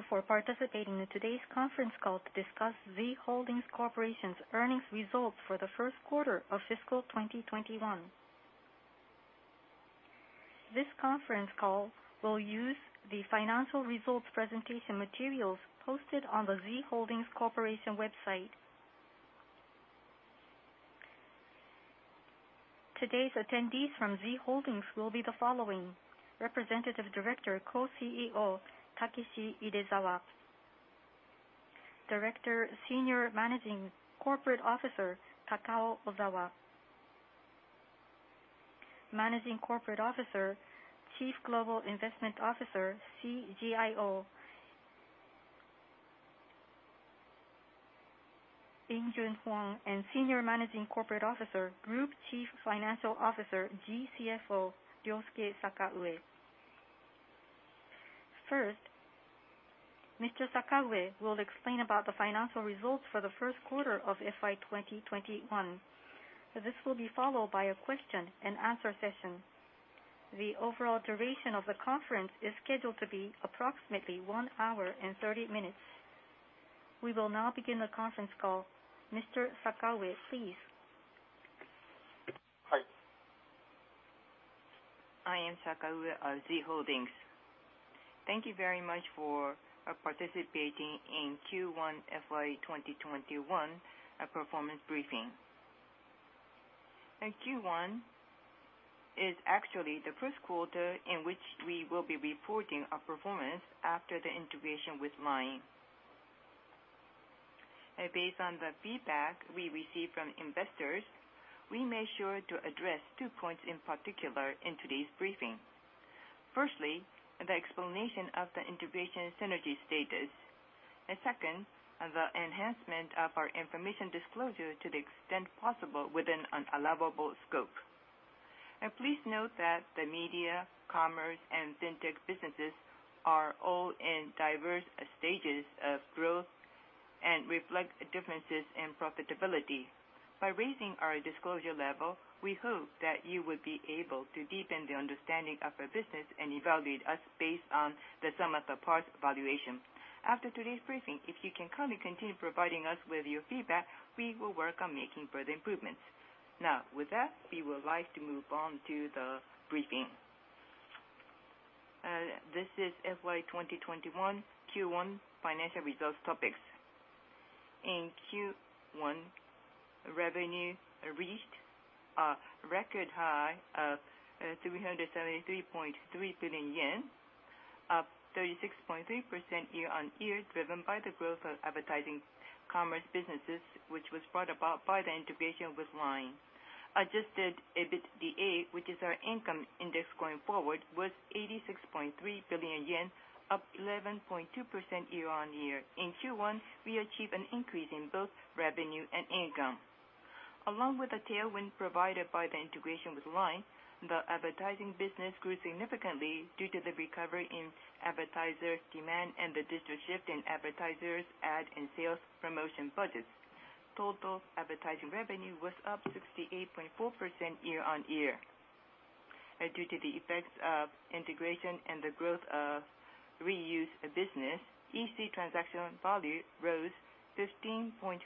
Thank you for participating in today's conference call to discuss Z Holdings Corporation's earnings results for the first quarter of fiscal 2021. This conference call will use the financial results presentation materials posted on the Z Holdings Corporation website. Today's attendees from Z Holdings will be the following: Representative Director Co-CEO Takeshi Idezawa. Director, Senior Managing Corporate Officer Takao Ozawa. Managing Corporate Officer, Chief Global Investment Officer, CGIO In Joon Hwang, and Senior Managing Corporate Officer, Group Chief Financial Officer, GCFO Ryosuke Sakaue. Mr. Sakaue will explain about the financial results for the first quarter of FY 2021. This will be followed by a question and answer session. The overall duration of the conference is scheduled to be approximately one hour and 30 minutes. We will now begin the conference call. Mr. Sakaue, please. Hi. I am Sakaue of Z Holdings. Thank you very much for participating in Q1 FY 2021 performance briefing. Q1 is actually the first quarter in which we will be reporting our performance after the integration with LINE. Based on the feedback we received from investors, we made sure to address two points in particular in today's briefing. Firstly, the explanation of the integration synergy status. Second, the enhancement of our information disclosure to the extent possible within an allowable scope. Please note that the media, commerce, and fintech businesses are all in diverse stages of growth and reflect differences in profitability. By raising our disclosure level, we hope that you would be able to deepen the understanding of our business and evaluate us based on the sum-of-the-parts valuation. After today's briefing, if you can kindly continue providing us with your feedback, we will work on making further improvements. With that, we would like to move on to the briefing. This is FY 2021 Q1 financial results topics. In Q1, revenue reached a record high of 373.3 billion yen, up 36.3% year-on-year, driven by the growth of advertising commerce businesses, which was brought about by the integration with LINE. Adjusted EBITDA, which is our income index going forward, was 86.3 billion yen, up 11.2% year-on-year. In Q1, we achieved an increase in both revenue and income. Along with the tailwind provided by the integration with LINE, the advertising business grew significantly due to the recovery in advertiser demand and the digital shift in advertisers' ad and sales promotion budgets. Total advertising revenue was up 68.4% year-on-year. Due to the effects of integration and the growth of reused business, EC transaction value rose 15.5%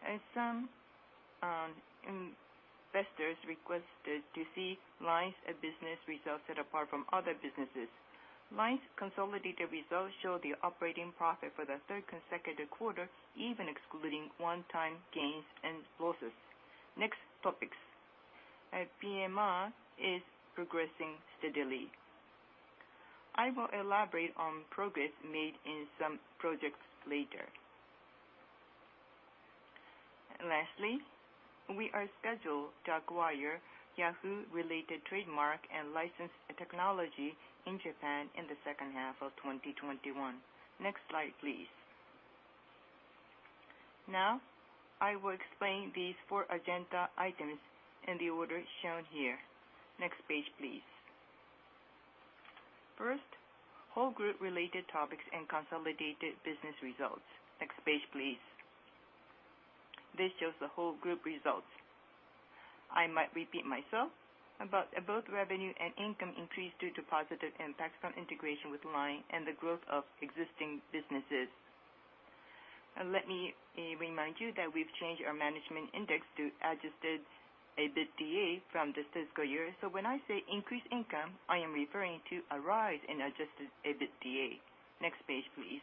year-on-year. Some investors requested to see LINE's business results set apart from other businesses. LINE's consolidated results show the operating profit for the third consecutive quarter, even excluding one-time gains and losses. Next topics. PMI is progressing steadily. I will elaborate on progress made in some projects later. We are scheduled to acquire Yahoo-related trademark and licensed technology in Japan in the second half of 2021. Next slide, please. Now, I will explain these four agenda items in the order shown here. Next page, please. First, whole group related topics and consolidated business results. Next page, please. This shows the whole group results. I might repeat myself, but both revenue and income increased due to positive impacts from integration with LINE and the growth of existing businesses. Let me remind you that we've changed our management index to Adjusted EBITDA from this fiscal year. When I say increased income, I am referring to a rise in Adjusted EBITDA. Next page, please.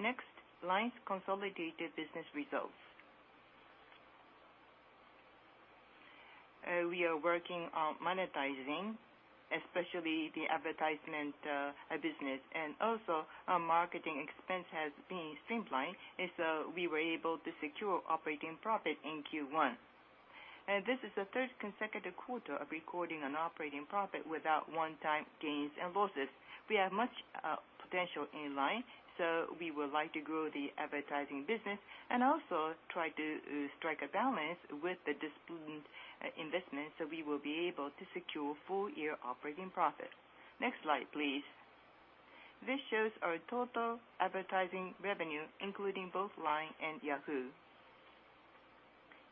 Next, LINE's consolidated business results. We are working on monetizing, especially the advertisement business, and also our marketing expense has been streamlined, and so we were able to secure operating profit in Q1. This is the third consecutive quarter of recording an operating profit without one-time gains and losses. We have much potential in LINE, so we would like to grow the advertising business and also try to strike a balance with the disciplined investment, so we will be able to secure full-year operating profit. Next slide, please. This shows our total advertising revenue, including both LINE and Yahoo!.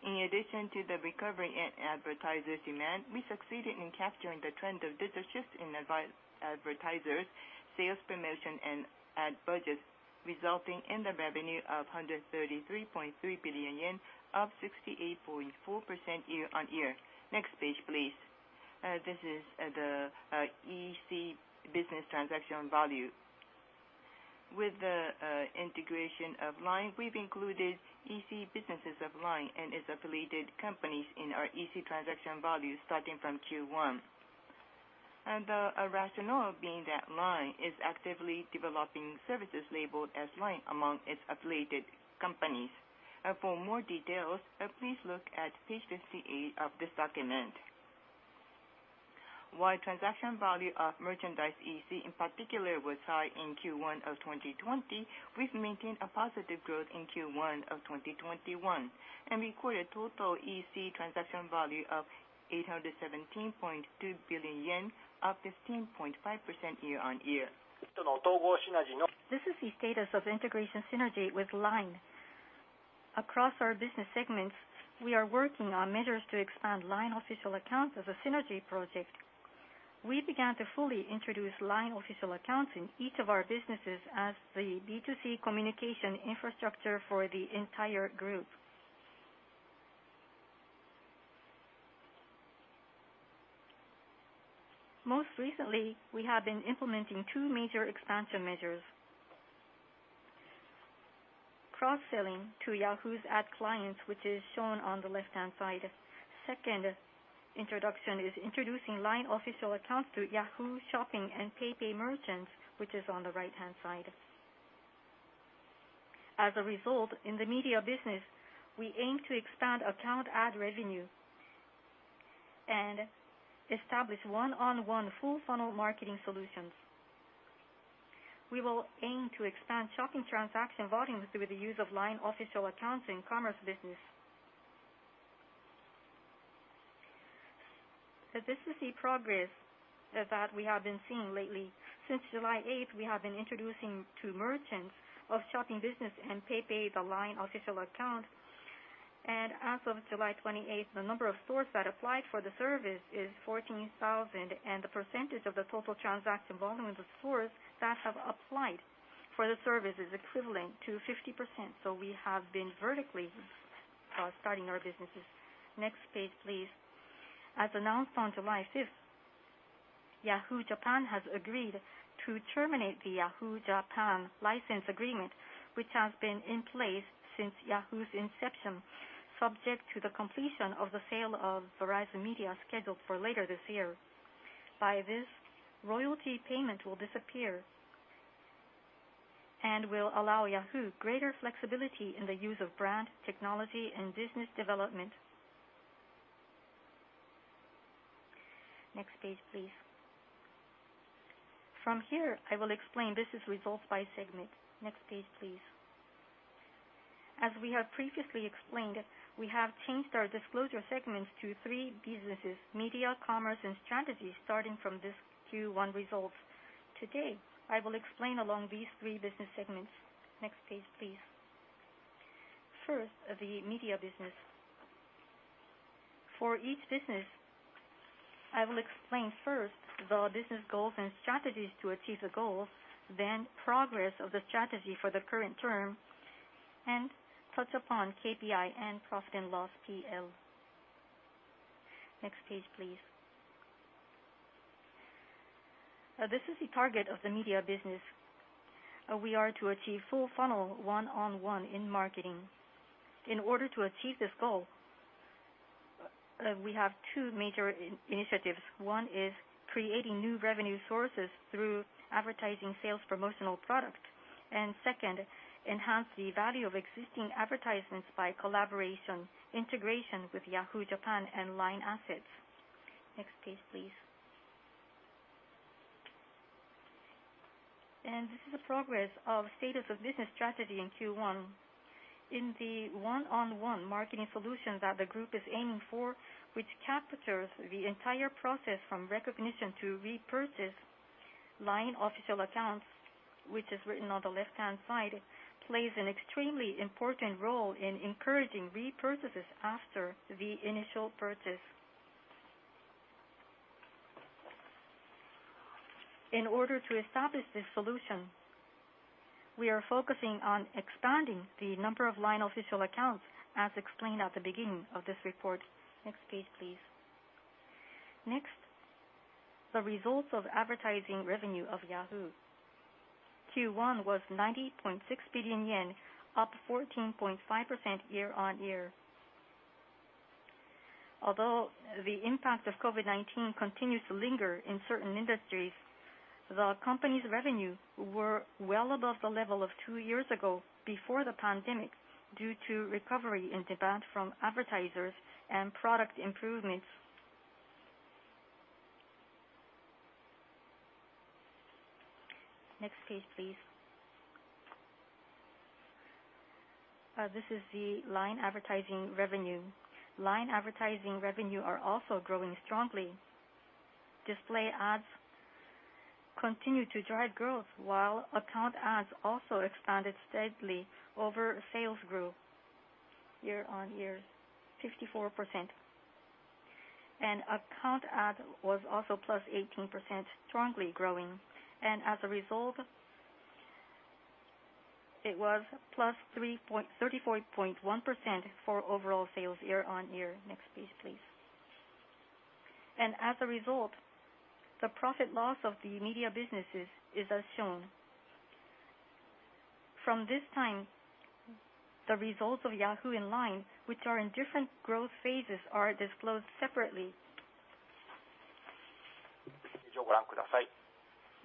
In addition to the recovery in advertisers' demand, we succeeded in capturing the trend of this shift in advertisers, sales promotion, and ad budgets, resulting in the revenue of 133.3 billion yen, up 68.4% year-on-year. Next page, please. This is the EC business transaction value. With the integration of LINE, we've included EC businesses of LINE and its affiliated companies in our EC transaction value starting from Q1. The rationale being that LINE is actively developing services labeled as LINE among its affiliated companies. For more details, please look at page 58 of this document. While transaction value of merchandise EC in particular was high in Q1 of 2020, we've maintained a positive growth in Q1 of 2021 and recorded total EC transaction value of 817.2 billion yen, up 15.5% year-on-year. This is the status of integration synergy with LINE. Across our business segments, we are working on measures to expand LINE Official Accounts as a synergy project. We began to fully introduce LINE Official Accounts in each of our businesses as the B2C communication infrastructure for the entire group. Most recently, we have been implementing two major expansion measures. Cross-selling to Yahoo!'s ad clients, which is shown on the left-hand side. Second introduction is introducing LINE Official Accounts to Yahoo! Shopping and PayPay merchants, which is on the right-hand side. In the media business, we aim to expand account ad revenue and establish one-on-one full-funnel marketing solutions. We will aim to expand shopping transaction volumes with the use of LINE Official Accounts in commerce business. This is the progress that we have been seeing lately. Since July 8, we have been introducing to merchants of shopping business and PayPay, the LINE Official Account. As of July 28, the number of stores that applied for the service is 14,000, and the percentage of the total transaction volume of the stores that have applied for the service is equivalent to 50%. We have been vertically starting our businesses. Next page, please. As announced on July 5th, Yahoo! JAPAN has agreed to terminate the Yahoo! JAPAN license agreement, which has been in place since Yahoo!'s inception, subject to the completion of the sale of Verizon Media scheduled for later this year. By this, royalty payment will disappear and will allow Yahoo! greater flexibility in the use of brand, technology, and business development. Next page, please. From here, I will explain business results by segment. Next page, please. As we have previously explained, we have changed our disclosure segments to three businesses, media, commerce, and strategies, starting from this Q1 results. Today, I will explain along these three business segments. Next page, please. First, the Media Business. For each business, I will explain first the business goals and strategies to achieve the goals, progress of the strategy for the current term, and touch upon KPI and profit and loss, P&L. Next page, please. This is the target of the Media Business. We are to achieve full funnel one-on-one in marketing. In order to achieve this goal, we have two major initiatives. One is creating new revenue sources through advertising sales promotional product. Second, enhance the value of existing advertisements by collaboration, integration with Yahoo! JAPAN and LINE assets. Next page, please. This is the progress of status of business strategy in Q1. In the one-on-one marketing solution that the group is aiming for, which captures the entire process from recognition to repurchase, LINE Official Accounts, which is written on the left-hand side, plays an extremely important role in encouraging repurchases after the initial purchase. In order to establish this solution, we are focusing on expanding the number of LINE Official Accounts, as explained at the beginning of this report. Next page, please. Next, the results of advertising revenue of Yahoo!. Q1 was 90.6 billion yen, up 14.5% year-on-year. Although the impact of COVID-19 continues to linger in certain industries, the company's revenue were well above the level of two years ago before the pandemic due to recovery in demand from advertisers and product improvements. Next page, please. This is the LINE advertising revenue. LINE advertising revenue are also growing strongly. Display ads. Continue to drive growth, while account ads also expanded steadily over sales grew year-on-year 54%. Account ad was also +18% strongly growing. As a result, it was +34.1% for overall sales year-on-year. Next page, please. As a result, the profit loss of the media businesses is as shown. From this time, the results of Yahoo! and LINE, which are in different growth phases, are disclosed separately.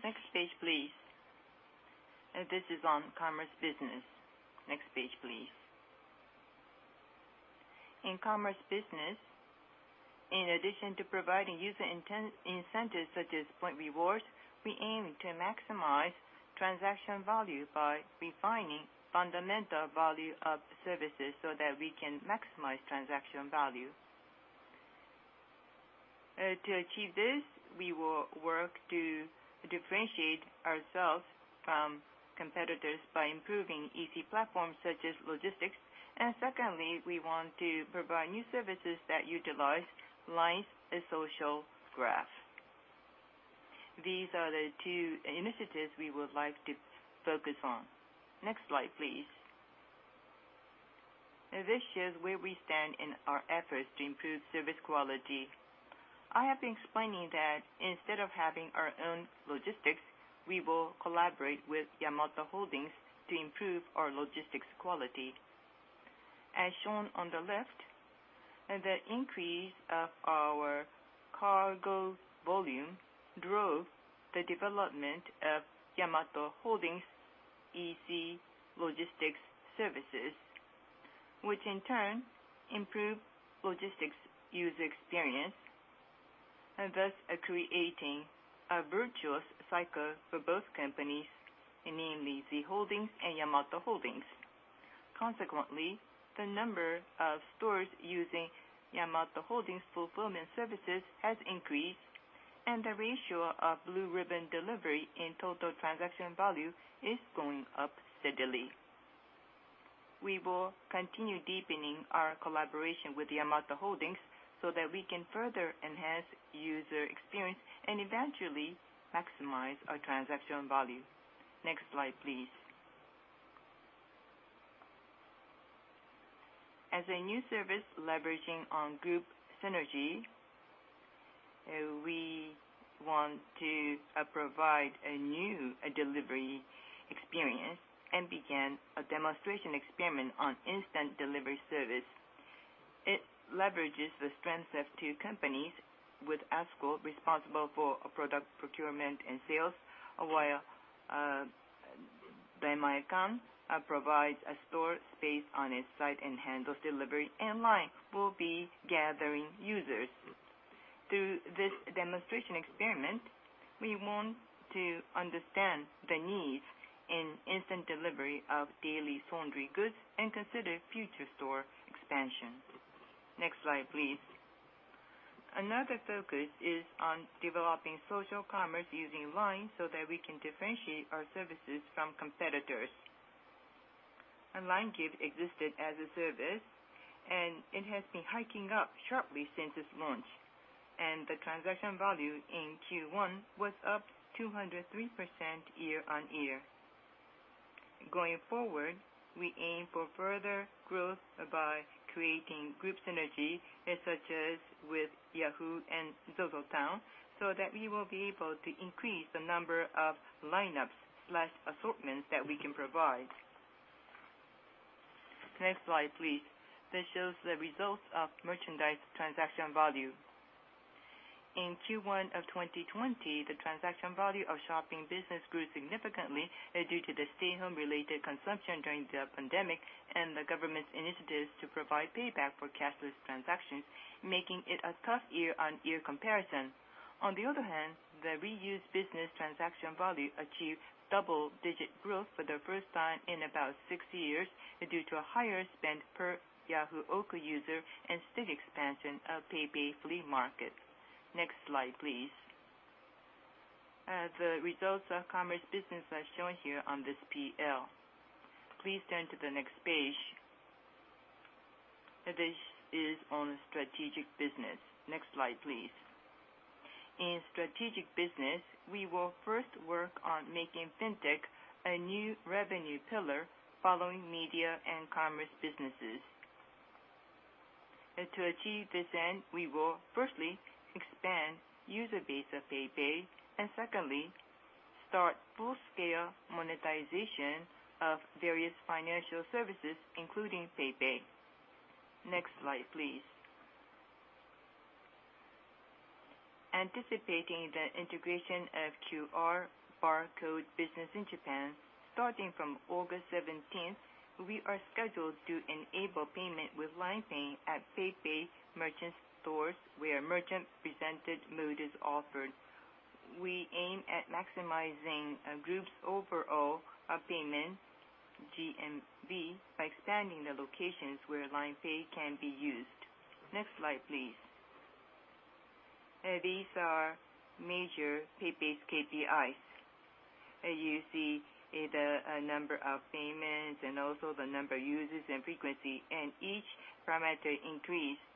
Next page, please. This is on commerce business. Next page, please. In commerce business, in addition to providing user incentives such as point rewards, we aim to maximize transaction value by refining fundamental value of services so that we can maximize transaction value. To achieve this, we will work to differentiate ourselves from competitors by improving EC platforms such as logistics. Secondly, we want to provide new services that utilize LINE's social graph. These are the two initiatives we would like to focus on. Next slide, please. This shows where we stand in our efforts to improve service quality. I have been explaining that instead of having our own logistics, we will collaborate with Yamato Holdings to improve our logistics quality. As shown on the left, the increase of our cargo volume drove the development of Yamato Holdings' EC logistics services, which in turn improve logistics user experience, and thus creating a virtuous cycle for both companies, namely Z Holdings and Yamato Holdings. Consequently, the number of stores using Yamato Holdings fulfillment services has increased, and the ratio of Blue Ribbon Delivery in total transaction value is going up steadily. We will continue deepening our collaboration with Yamato Holdings so that we can further enhance user experience and eventually maximize our transaction value. Next slide, please. As a new service leveraging on group synergy, we want to provide a new delivery experience and began a demonstration experiment on instant delivery service. It leverages the strengths of two companies with ASKUL responsible for product procurement and sales, while Demae-can provides a store space on its site and handles delivery, and LINE will be gathering users. Through this demonstration experiment, we want to understand the needs in instant delivery of daily sundry goods and consider future store expansion. Next slide, please. Another focus is on developing social commerce using LINE so that we can differentiate our services from competitors. LINE GIFT existed as a service, and it has been hiking up sharply since its launch, and the transaction value in Q1 was up 203% year-over-year. Going forward, we aim for further growth by creating group synergy, such as with Yahoo! and ZOZOTOWN, so that we will be able to increase the number of lineups/assortments that we can provide. Next slide, please. This shows the results of merchandise transaction value. In Q1 of 2020, the transaction value of shopping business grew significantly due to the stay-home related consumption during the pandemic and the government's initiatives to provide payback for cashless transactions, making it a tough year-on-year comparison. On the other hand, the reused business transaction value achieved double-digit growth for the first time in about six years due to a higher spend per Yahoo! Auctions user and steady expansion of PayPay Flea Market. Next slide, please. The results of commerce business are shown here on this PL. Please turn to the next page. This is on strategic business. Next slide, please. In strategic business, we will first work on making fintech a new revenue pillar following media and commerce businesses. To achieve this end, we will firstly expand user base of PayPay, and secondly, start full-scale monetization of various financial services, including PayPay. Next slide, please. Anticipating the integration of QR/barcode business in Japan, starting from August 17th, we are scheduled to enable payment with LINE Pay at PayPay merchant stores where merchant-presented mode is offered. We aim at maximizing the group's overall payment, GMV, by expanding the locations where LINE Pay can be used. Next slide, please. These are major PayPay KPIs. You see the number of payments and also the number of users and frequency, and each parameter increased,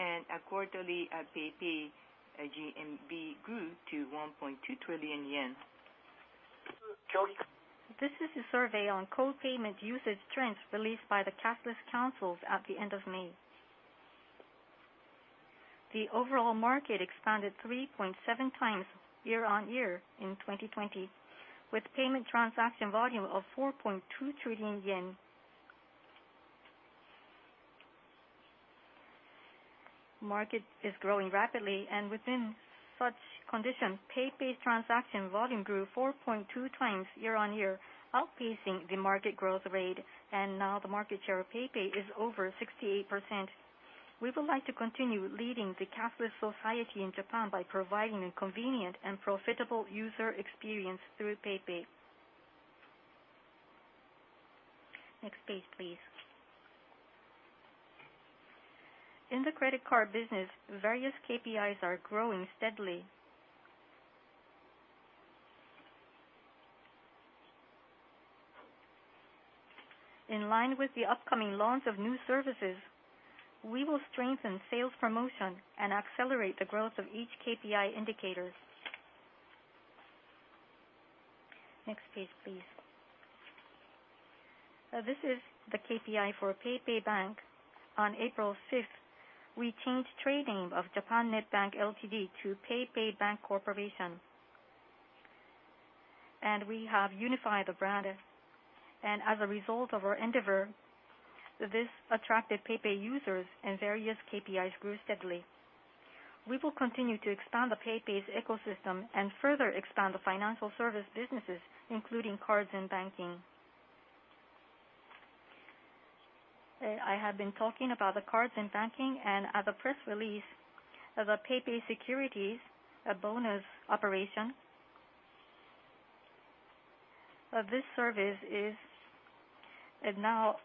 and quarterly PayPay GMV grew to 1.2 trillion yen. This is a survey on co-payment usage trends released by the Cashless Promotion Council at the end of May. The overall market expanded 3.7 x year-on-year in 2020, with payment transaction volume of 4.2 trillion yen. Market is growing rapidly, and within such conditions, PayPay's transaction volume grew 4.2 x year-on-year, outpacing the market growth rate, and now the market share of PayPay is over 68%. We would like to continue leading the cashless society in Japan by providing a convenient and profitable user experience through PayPay. Next page, please. In the credit card business, various KPIs are growing steadily. In line with the upcoming launch of new services, we will strengthen sales promotion and accelerate the growth of each KPI indicator. Next page, please. This is the KPI for PayPay Bank. On April 5th, we changed trade name of Japan Net Bank, Ltd. to PayPay Bank Corporation, and we have unified the brand. As a result of our endeavor, this attracted PayPay users and various KPIs grew steadily. We will continue to expand the PayPay's ecosystem and further expand the financial service businesses, including cards and banking. I have been talking about the cards and banking. At the press release of the PayPay Securities bonus operation, this service is now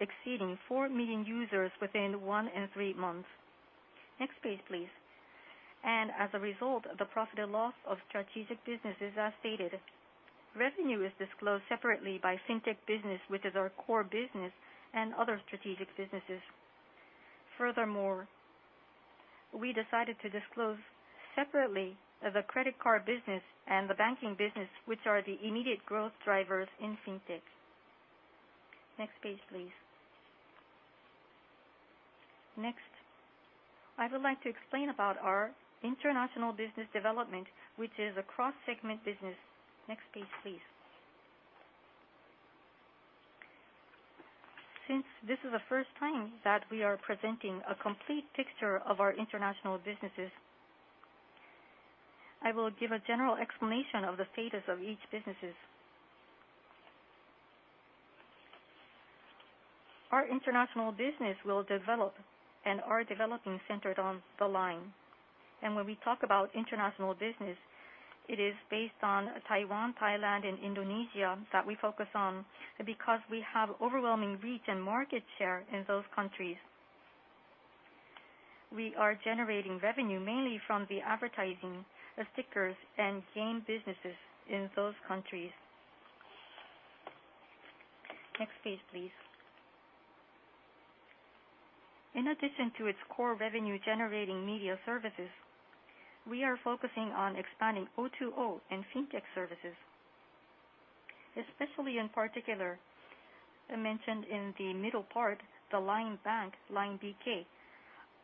exceeding four million users within one and three months. Next page, please. As a result, the profit and loss of strategic businesses are stated. Revenue is disclosed separately by Fintech business, which is our core business, and other strategic businesses. Furthermore, we decided to disclose separately the credit card business and the banking business, which are the immediate growth drivers in Fintech. Next page, please. Next, I would like to explain about our international business development, which is a cross-segment business. Next page, please. Since this is the first time that we are presenting a complete picture of our international businesses, I will give a general explanation of the status of each business. Our international business will develop and are developing centered on LINE. When we talk about international business, it is based on Taiwan, Thailand, and Indonesia that we focus on, because we have overwhelming reach and market share in those countries. We are generating revenue mainly from the advertising, stickers, and game businesses in those countries. Next page, please. In addition to its core revenue-generating media services, we are focusing on expanding O2O and Fintech services. Especially in particular, mentioned in the middle part, the LINE Bank, LINE BK,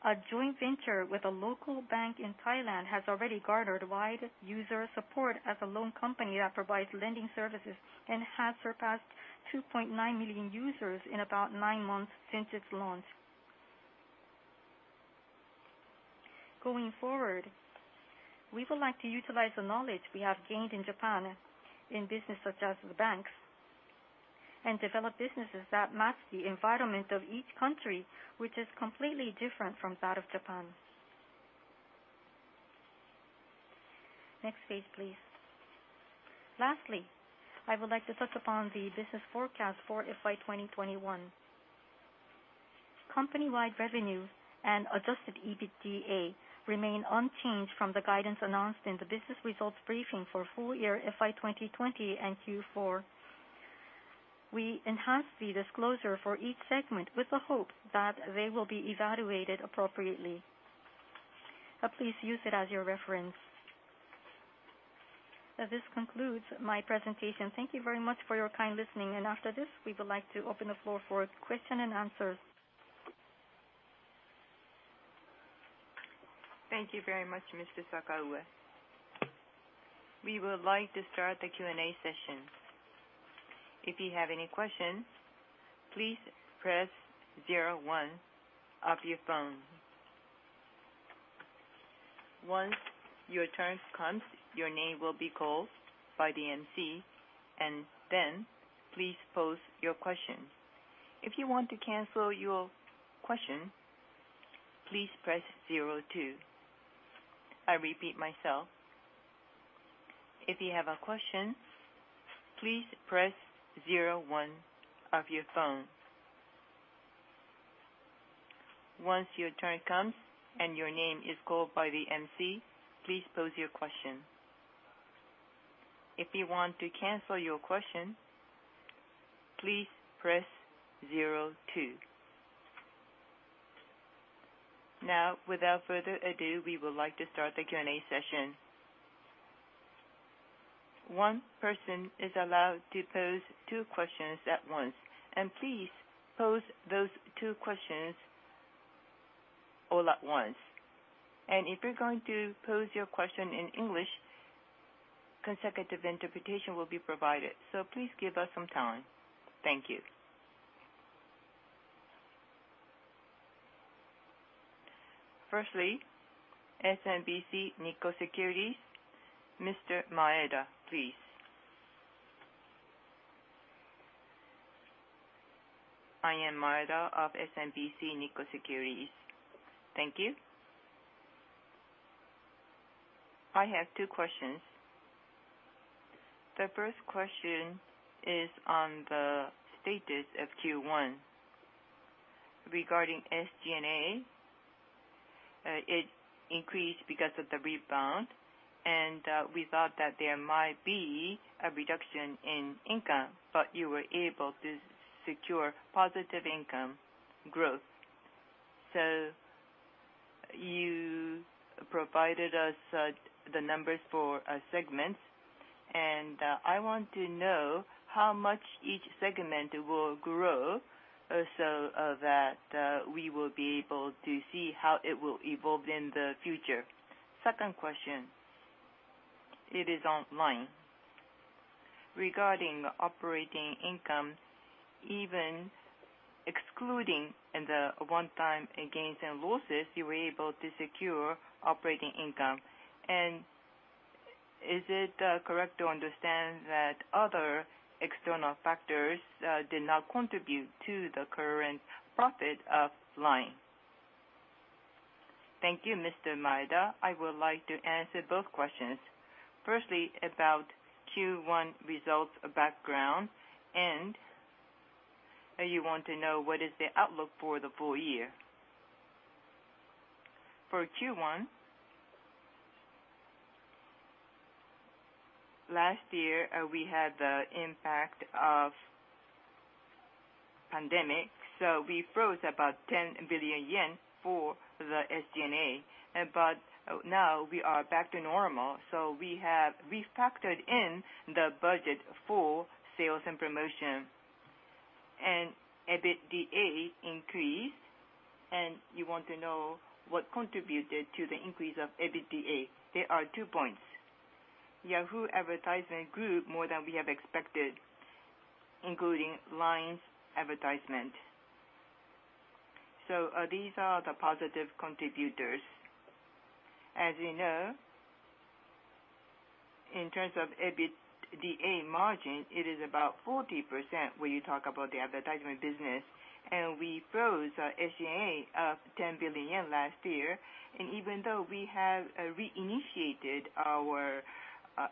a joint venture with a local bank in Thailand, has already garnered wide user support as a loan company that provides lending services and has surpassed 2.9 million users in about nine months since its launch. Going forward, we would like to utilize the knowledge we have gained in Japan in business such as banks, and develop businesses that match the environment of each country, which is completely different from that of Japan. Next page, please. Lastly, I would like to touch upon the business forecast for FY 2021. Company-wide revenue and Adjusted EBITDA remain unchanged from the guidance announced in the business results briefing for full year FY 2020 and Q4. We enhanced the disclosure for each segment with the hope that they will be evaluated appropriately. Please use it as your reference. This concludes my presentation. Thank you very much for your kind listening, and after this, we would like to open the floor for question and answers. Thank you very much, Mr. Sakaue. We would like to start the Q&A session. If you have any questions, please press zero one on your phone. Once your turn comes, your name will be called by the emcee, and then please pose your question. If you want to cancel your question, please press zero two. I repeat myself. If you have a question, please press zero one on your phone. Once your turn comes and your name is called by the emcee, please pose your question. If you want to cancel your question, please press zero two. Now, without further ado, we would like to start the Q&A session. One person is allowed to pose two questions at once, and please pose those two questions all at once. If you're going to pose your question in English, consecutive interpretation will be provided, so please give us some time. Thank you. SMBC Nikko Securities, Mr. Maeda, please. I am Maeda of SMBC Nikko Securities. Thank you. I have two questions. The first question is on the status of Q1. Regarding SG&A, it increased because of the rebound, and we thought that there might be a reduction in income, but you were able to secure positive income growth. You provided us the numbers for segments, and I want to know how much each segment will grow so that we will be able to see how it will evolve in the future. Second question. It is on LINE. Regarding operating income, even excluding the one-time gains and losses, you were able to secure operating income. Is it correct to understand that other external factors did not contribute to the current profit of LINE? Thank you, Mr. Maeda. I would like to answer both questions. About Q1 results background, you want to know what is the outlook for the full year. For Q1, last year, we had the impact of pandemic, so we froze about 10 billion yen for the SG&A. Now we are back to normal, so we have refactored in the budget for sales and promotion. EBITDA increased, you want to know what contributed to the increase of EBITDA. There are two points. Yahoo! advertising grew more than we have expected, including LINE's advertisement. These are the positive contributors. As you know, in terms of EBITDA margin, it is about 40% when you talk about the advertisement business, and we froze our SG&A of 10 billion yen last year. Even though we have reinitiated our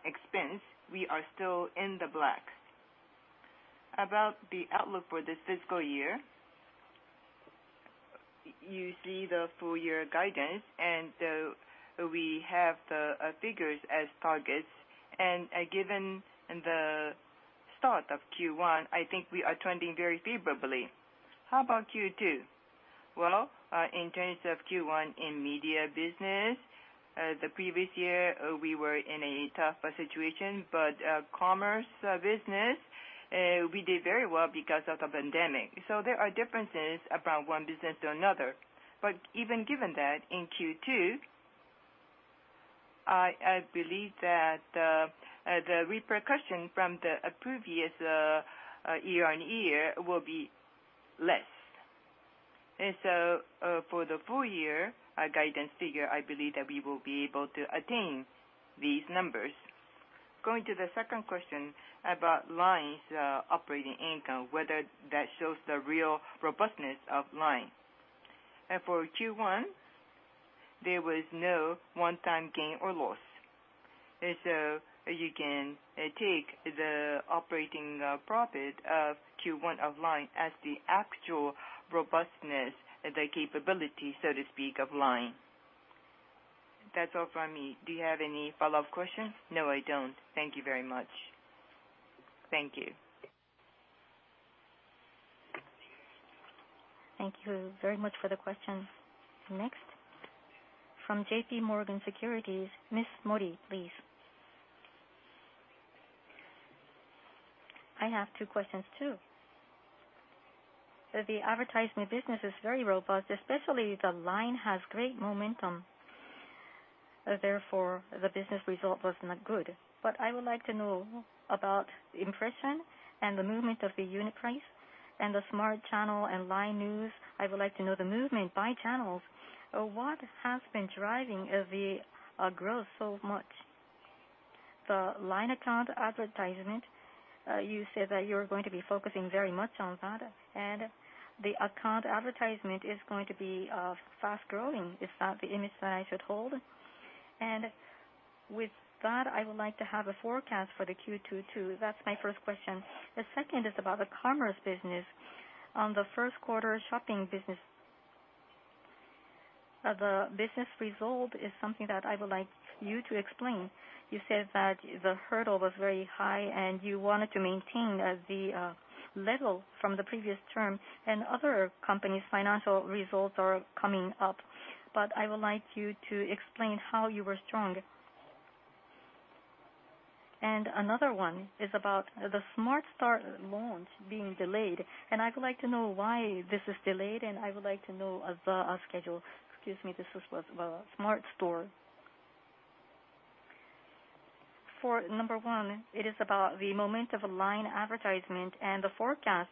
expense, we are still in the black. About the outlook for this fiscal year, you see the full-year guidance. We have the figures as targets. Given the start of Q1, I think we are trending very favorably. How about Q2? In terms of Q1 in media business, the previous year, we were in a tougher situation, but commerce business, we did very well because of the pandemic. There are differences about one business to another. Even given that, in Q2, I believe that the repercussion from the previous year-on-year will be less. For the full year guidance figure, I believe that we will be able to attain these numbers. Going to the second question about LINE's operating income, whether that shows the real robustness of LINE. For Q1, there was no one-time gain or loss. You can take the operating profit of Q1 of LINE as the actual robustness, the capability, so to speak, of LINE. That's all from me. Do you have any follow-up questions? No, I don't. Thank you very much. Thank you. Thank you very much for the question. Next, from JP Morgan Securities, Ms. Mori, please. I have two questions, too. The advertisement business is very robust, especially the LINE has great momentum. The business result was not good. I would like to know about impression and the movement of the unit price and the Smart Channel and LINE NEWS. I would like to know the movement by channels. What has been driving the growth so much? The LINE account advertisement, you said that you're going to be focusing very much on that, and the account advertisement is going to be fast-growing. Is that the image that I should hold? With that, I would like to have a forecast for the Q2, too. That's my first question. The second is about the commerce business. On the first quarter shopping business, the business result is something that I would like you to explain. You said that the hurdle was very high and you wanted to maintain the level from the previous term, other companies' financial results are coming up. I would like you to explain how you were strong. Another one is about the SmartStore launch being delayed, and I would like to know why this is delayed, and I would like to know the schedule. Excuse me, this was the SmartStore. For number one, it is about the momentum of LINE advertisement and the forecast.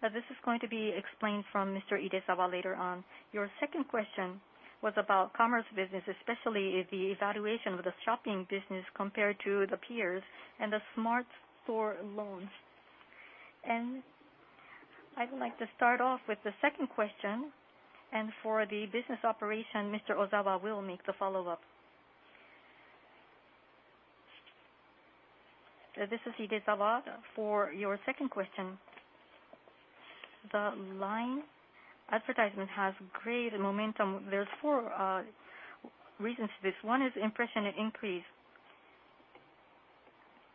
This is going to be explained from Mr. Idezawa later on. Your second question was about commerce business, especially the evaluation of the shopping business compared to the peers and the SmartStore launch. I would like to start off with the second question. For the business operation, Mr. Ozawa will make the follow-up. This is Idezawa. For your second question, the LINE advertisement has great momentum. There's four reasons to this. One is impression increase,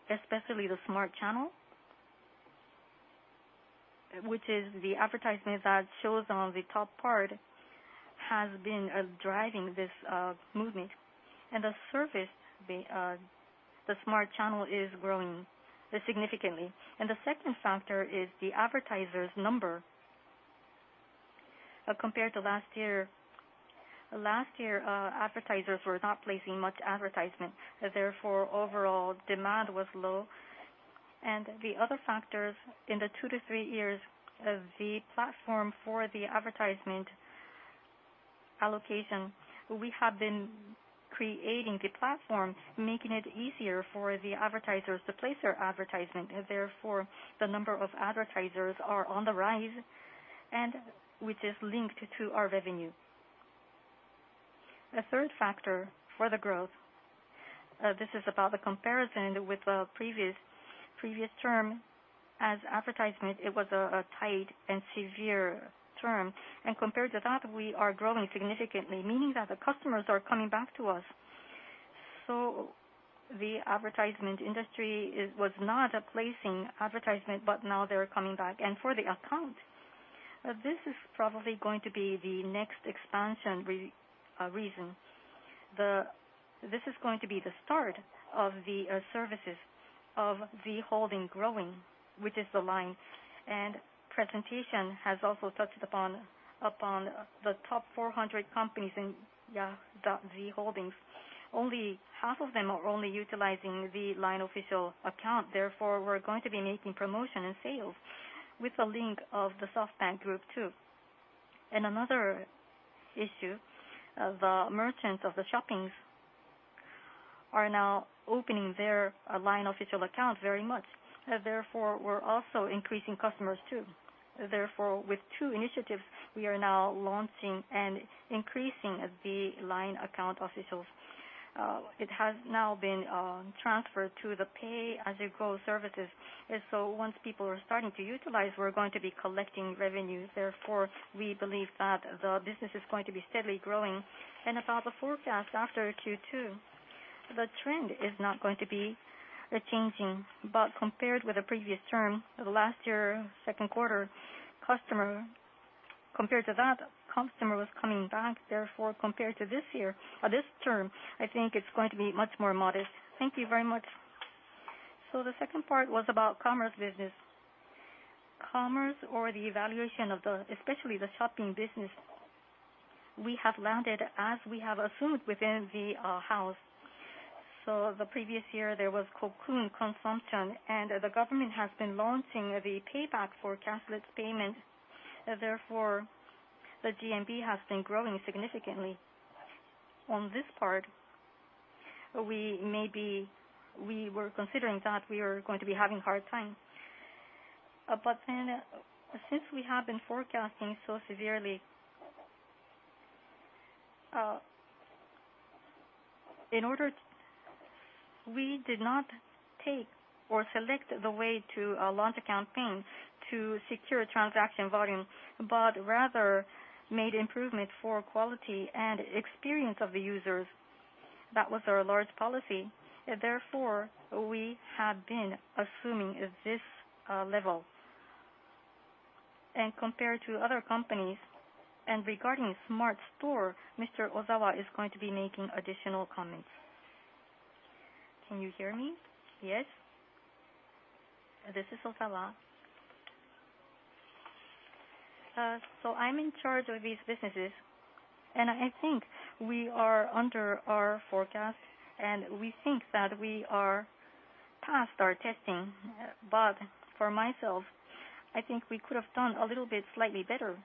especially the Smart Channel, which is the advertisement that shows on the top part, has been driving this movement. The service, the Smart Channel, is growing significantly. The second factor is the advertisers number. Compared to last year, advertisers were not placing much advertisement. Therefore, overall demand was low. The other factors, in the two to three years, the platform for the advertisement allocation, we have been creating the platform, making it easier for the advertisers to place their advertisement. Therefore, the number of advertisers are on the rise, and which is linked to our revenue. The third factor for the growth, this is about the comparison with the previous term. As advertisement, it was a tight and severe term. Compared to that, we are growing significantly, meaning that the customers are coming back to us. The advertisement industry was not placing advertisement, but now they're coming back. For the account, this is probably going to be the next expansion reason. This is going to be the start of the services of Z Holdings growing, which is the LINE. Presentation has also touched upon the top 400 companies in Z Holdings. Only half of them are only utilizing the LINE Official Account. Therefore, we're going to be making promotion and sales with the link of the SoftBank Group, too. Another issue, the merchants of the shoppings are now opening their LINE Official Account very much. Therefore, we're also increasing customers, too. With two initiatives, we are now launching and increasing the LINE Official Accounts. It has now been transferred to the pay-as-you-go services. Once people are starting to utilize, we're going to be collecting revenues. We believe that the business is going to be steadily growing. About the forecast after Q2, the trend is not going to be changing. Compared with the previous term, last year, second quarter customer, compared to that, customer was coming back. Compared to this year or this term, I think it's going to be much more modest. Thank you very much. The second part was about commerce business. Commerce or the evaluation of especially the shopping business, we have landed as we have assumed within the house. The previous year, there was cocoon consumption, and the government has been launching the payback for cashless payment. The GMV has been growing significantly. On this part, maybe we were considering that we are going to be having hard times. Since we have been forecasting so severely, we did not take or select the way to launch a campaign to secure transaction volume, but rather made improvement for quality and experience of the users. That was our large policy. We have been assuming this level. Compared to other companies, and regarding SmartStore, Mr. Ozawa is going to be making additional comments. Can you hear me? Yes. This is Ozawa. I'm in charge of these businesses, and I think we are under our forecast, and we think that we are past our testing. For myself, I think we could have done a little bit slightly better.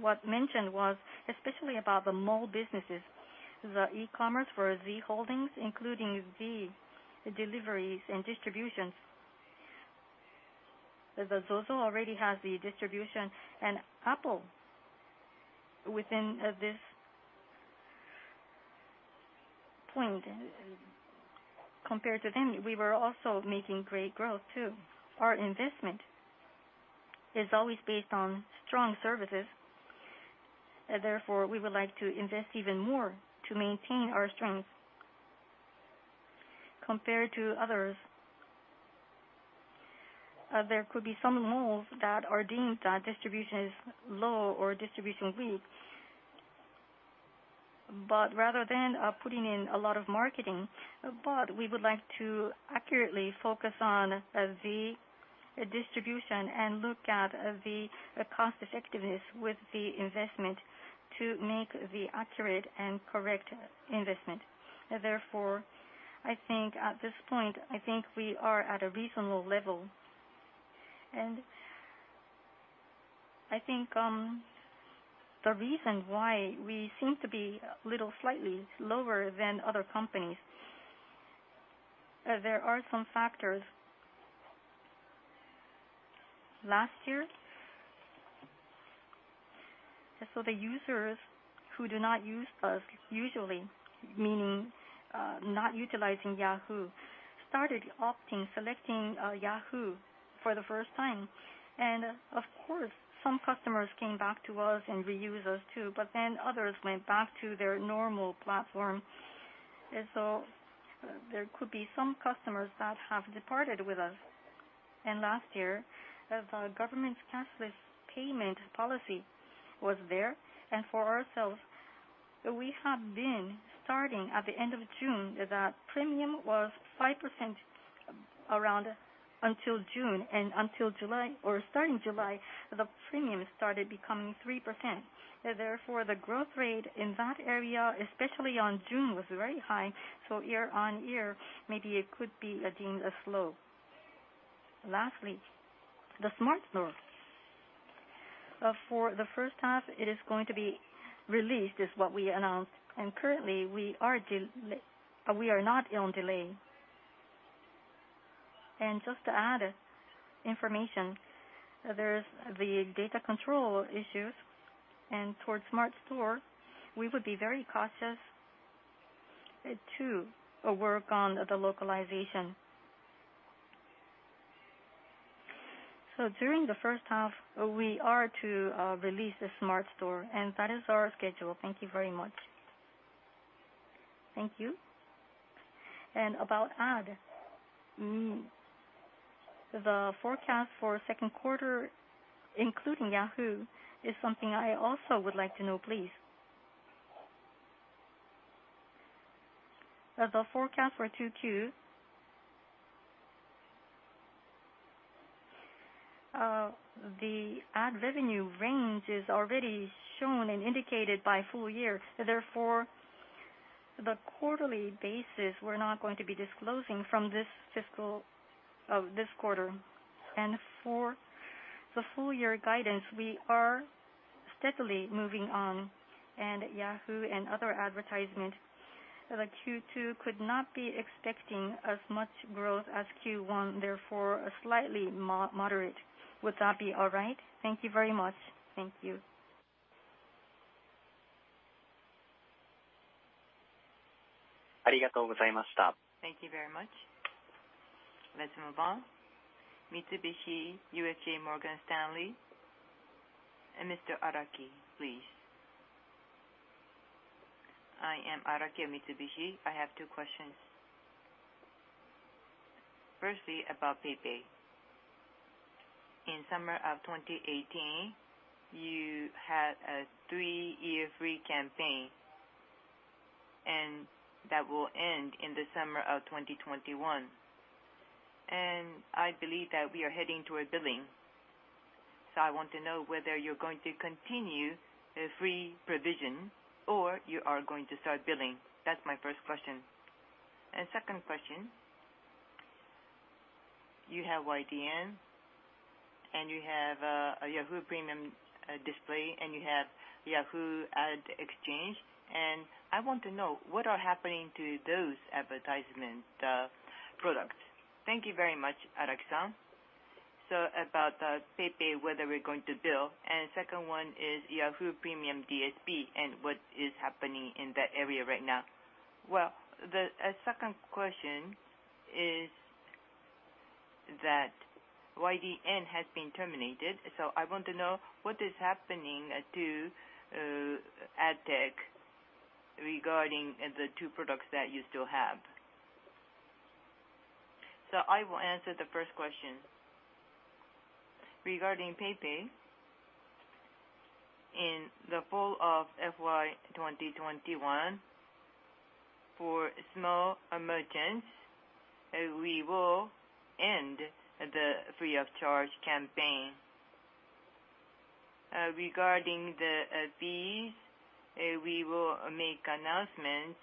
What mentioned was especially about the mall businesses, the e-commerce for Z Holdings, including Z deliveries and distributions. The ZOZO already has the distribution and apparel within this point. Compared to them, we were also making great growth too. Our investment is always based on strong services. We would like to invest even more to maintain our strength. Compared to others, there could be some malls that are deemed that distribution is low or distribution weak. Rather than putting in a lot of marketing, but we would like to accurately focus on the distribution and look at the cost-effectiveness with the investment to make the accurate and correct investment. I think at this point, I think we are at a reasonable level. I think the reason why we seem to be little slightly lower than other companies, there are some factors. Last year, the users who do not use us usually, meaning, not utilizing Yahoo!, started opting, selecting Yahoo! for the first time. Of course, some customers came back to us and reuse us too, but then others went back to their normal platform. There could be some customers that have departed with us. Last year, the government's cashless payment policy was there. For ourselves, we have been starting at the end of June, the premium was 5% around until June, and until July or starting July, the premium started becoming 3%. Therefore, the growth rate in that area, especially on June, was very high. Year-on-year, maybe it could be deemed as low. Lastly, the SmartStore. For the first half, it is going to be released, is what we announced. Currently, we are not on delay. Just to add information, there's the data control issues, and towards MySmartStore, we would be very cautious to work on the localization. During the first half, we are to release the MySmartStore, and that is our schedule. Thank you very much. Thank you. About ad. The forecast for second quarter, including Yahoo! JAPAN, is something I also would like to know, please. The forecast for 2Q, the ad revenue range is already shown and indicated by full year. Therefore, the quarterly basis, we're not going to be disclosing from this quarter. For the full-year guidance, we are steadily moving on and Yahoo! JAPAN and other advertisement, the Q2 could not be expecting as much growth as Q1, therefore, slightly moderate. Would that be all right? Thank you very much. Thank you. Thank you very much. Let's move on. Mitsubishi UFJ Morgan Stanley. Mr. Araki, please. I am Araki, Mitsubishi. I have two questions. About PayPay. In summer of 2018, you had a three-year free campaign, that will end in the summer of 2021. I believe that we are heading towards billing. I want to know whether you're going to continue the free provision or you are going to start billing. That's my first question. Second question, you have YDN, and you have a Yahoo! Premium DSP, and you have Yahoo! Ad Exchange. I want to know what are happening to those advertisement products. Thank you very much, Araki-san. About PayPay, whether we're going to bill, and second one is Yahoo! Premium DSP and what is happening in that area right now. The second question is that YDN has been terminated, I want to know what is happening to ad tech regarding the two products that you still have. I will answer the first question. Regarding PayPay, in the fall of FY 2021, for small merchants, we will end the free of charge campaign. Regarding the fees, we will make announcements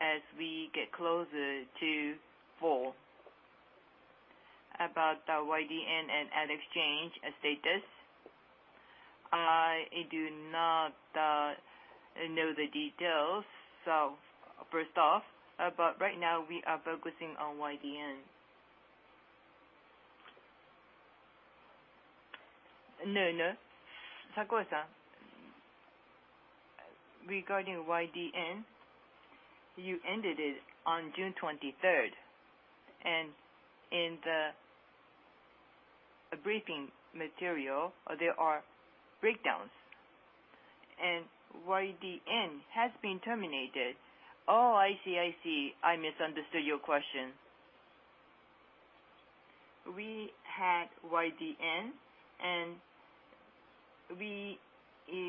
as we get closer to fall. About the YDN and ad exchange status, I do not know the details first off, right now we are focusing on YDN. No. Sakaue, regarding YDN, you ended it on June 23rd, in the briefing material, there are breakdowns, YDN has been terminated. I see. I misunderstood your question. We had YDN, we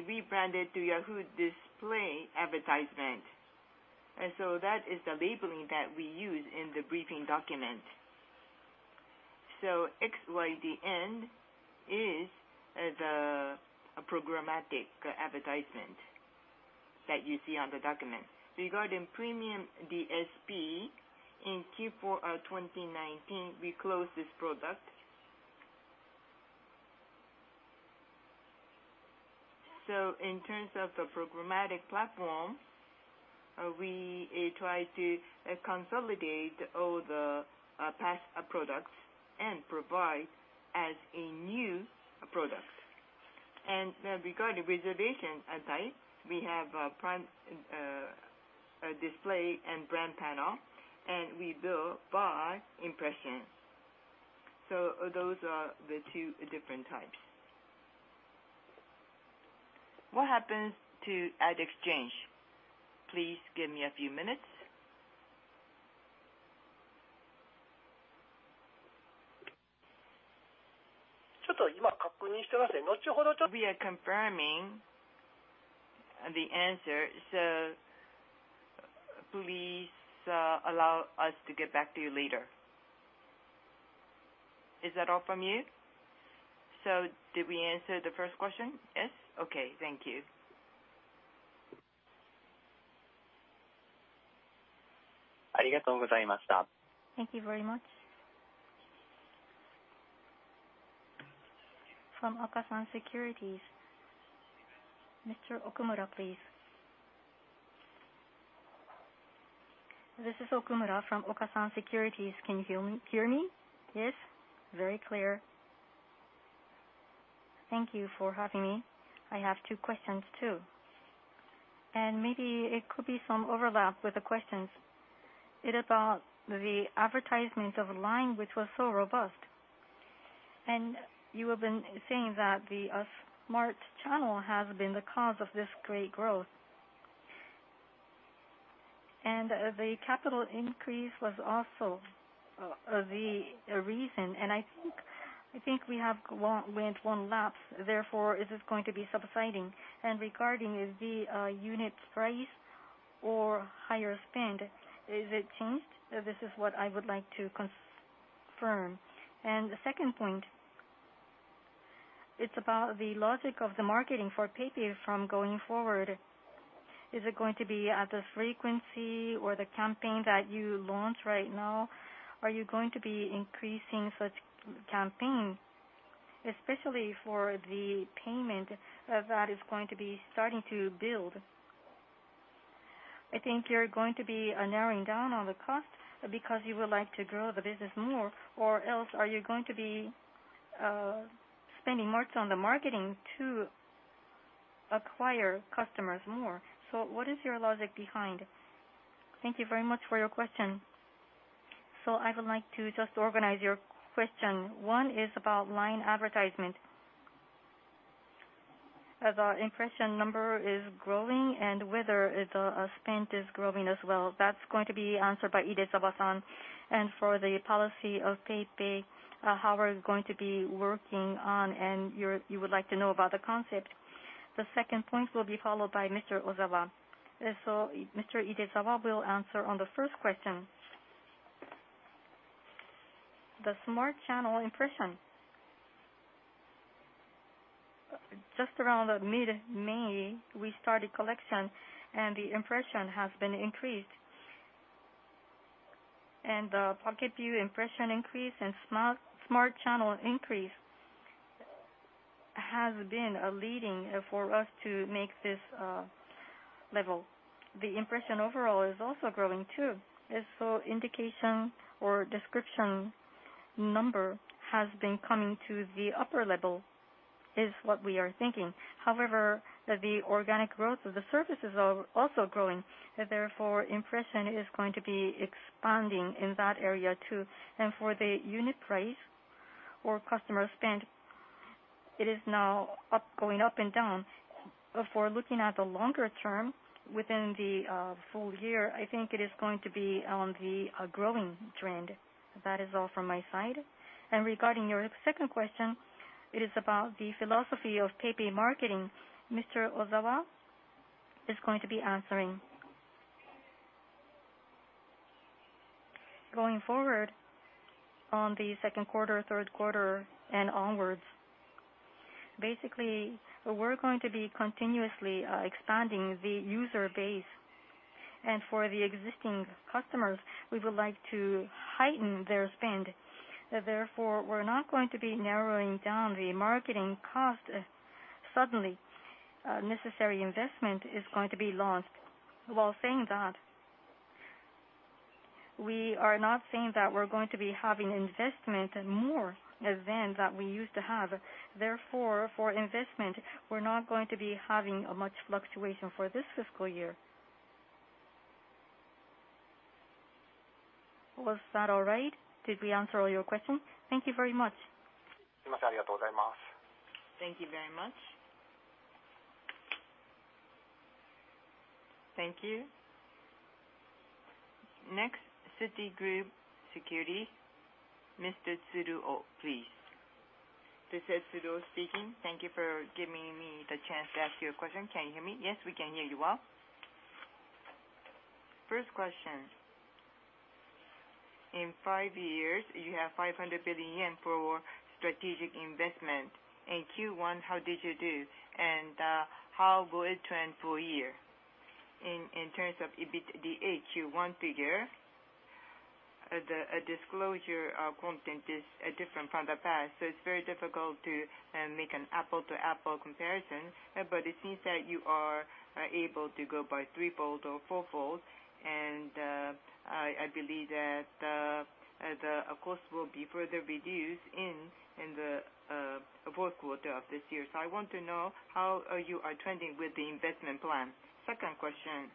rebranded to Yahoo! JAPAN Ads Display Ads. That is the labeling that we use in the briefing document. Ex-YDN is the programmatic advertisement that you see on the document. Regarding premium DSP, in Q4 of 2019, we closed this product. In terms of the programmatic platform, we try to consolidate all the past products and provide as a new product. Regarding reservation type, we have Prime Display and Brand Panel, and we bill by impression. Those are the two different types. What happens to ad exchange? Please give me a few minutes. We are confirming the answer, so please allow us to get back to you later. Is that all from you? Did we answer the first question? Yes. Okay. Thank you. Thank you very much. From Okasan Securities, Mr. Okumura, please. This is Okumura from Okasan Securities. Can you hear me? Yes, very clear. Thank you for having me. I have two questions, too, and maybe it could be some overlap with the questions. It's about the advertisement of LINE, which was so robust. You have been saying that the Smart Channel has been the cause of this great growth. The capital increase was also the reason, and I think we have went one lap, therefore, is this going to be subsiding? Regarding the unit price or higher spend, is it changed? This is what I would like to confirm. The second point, it's about the logic of the marketing for PayPay from going forward. Is it going to be at the frequency or the campaign that you launch right now? Are you going to be increasing such campaign, especially for the payment that is going to be starting to build? I think you're going to be narrowing down on the cost because you would like to grow the business more, or else are you going to be spending more on the marketing to acquire customers more? What is your logic behind? Thank you very much for your question. I would like to just organize your question. One is about LINE advertisement. The impression number is growing and whether the spend is growing as well. That's going to be answered by Idezawa-san. For the policy of PayPay, how we're going to be working on and you would like to know about the concept. The second point will be followed by Mr. Ozawa. Mr. Idezawa will answer on the first question. The Smart Channel impression. Just around mid-May, we started collection, the impression has been increased. The Talk Head View impression increase and Smart Channel increase has been leading for us to make this level. The impression overall is also growing, too. Indication or description number has been coming to the upper level, is what we are thinking. However, the organic growth of the services are also growing, therefore, impression is going to be expanding in that area, too. For the unit price or customer spend, it is now going up and down. For looking at the longer term within the full year, I think it is going to be on the growing trend. That is all from my side. Regarding your second question, it is about the philosophy of PayPay marketing. Mr. Ozawa is going to be answering. Going forward on the second quarter, third quarter, and onwards, we're going to be continuously expanding the user base. For the existing customers, we would like to heighten their spend. We're not going to be narrowing down the marketing cost suddenly. Necessary investment is going to be launched. While saying that, we are not saying that we're going to be having investment more than that we used to have. For investment, we're not going to be having much fluctuation for this fiscal year. Was that all right? Did we answer all your questions? Thank you very much. Thank you very much. Thank you. Next, Citigroup Global Markets Japan Inc., Mr. Tsuruo, please. This is Tsuruo speaking. Thank you for giving me the chance to ask you a question. Can you hear me? Yes, we can hear you well. First question. In five years, you have 500 billion yen for strategic investment. In Q1, how did you do, and how will it trend for one year? In terms of EBITDA Q1 figure, the disclosure content is different from the past, it's very difficult to make an apple-to-apple comparison. It seems that you are able to go by three-fold or four-fold, and I believe that the cost will be further reduced in the fourth quarter of this year. I want to know how you are trending with the investment plan. Second question.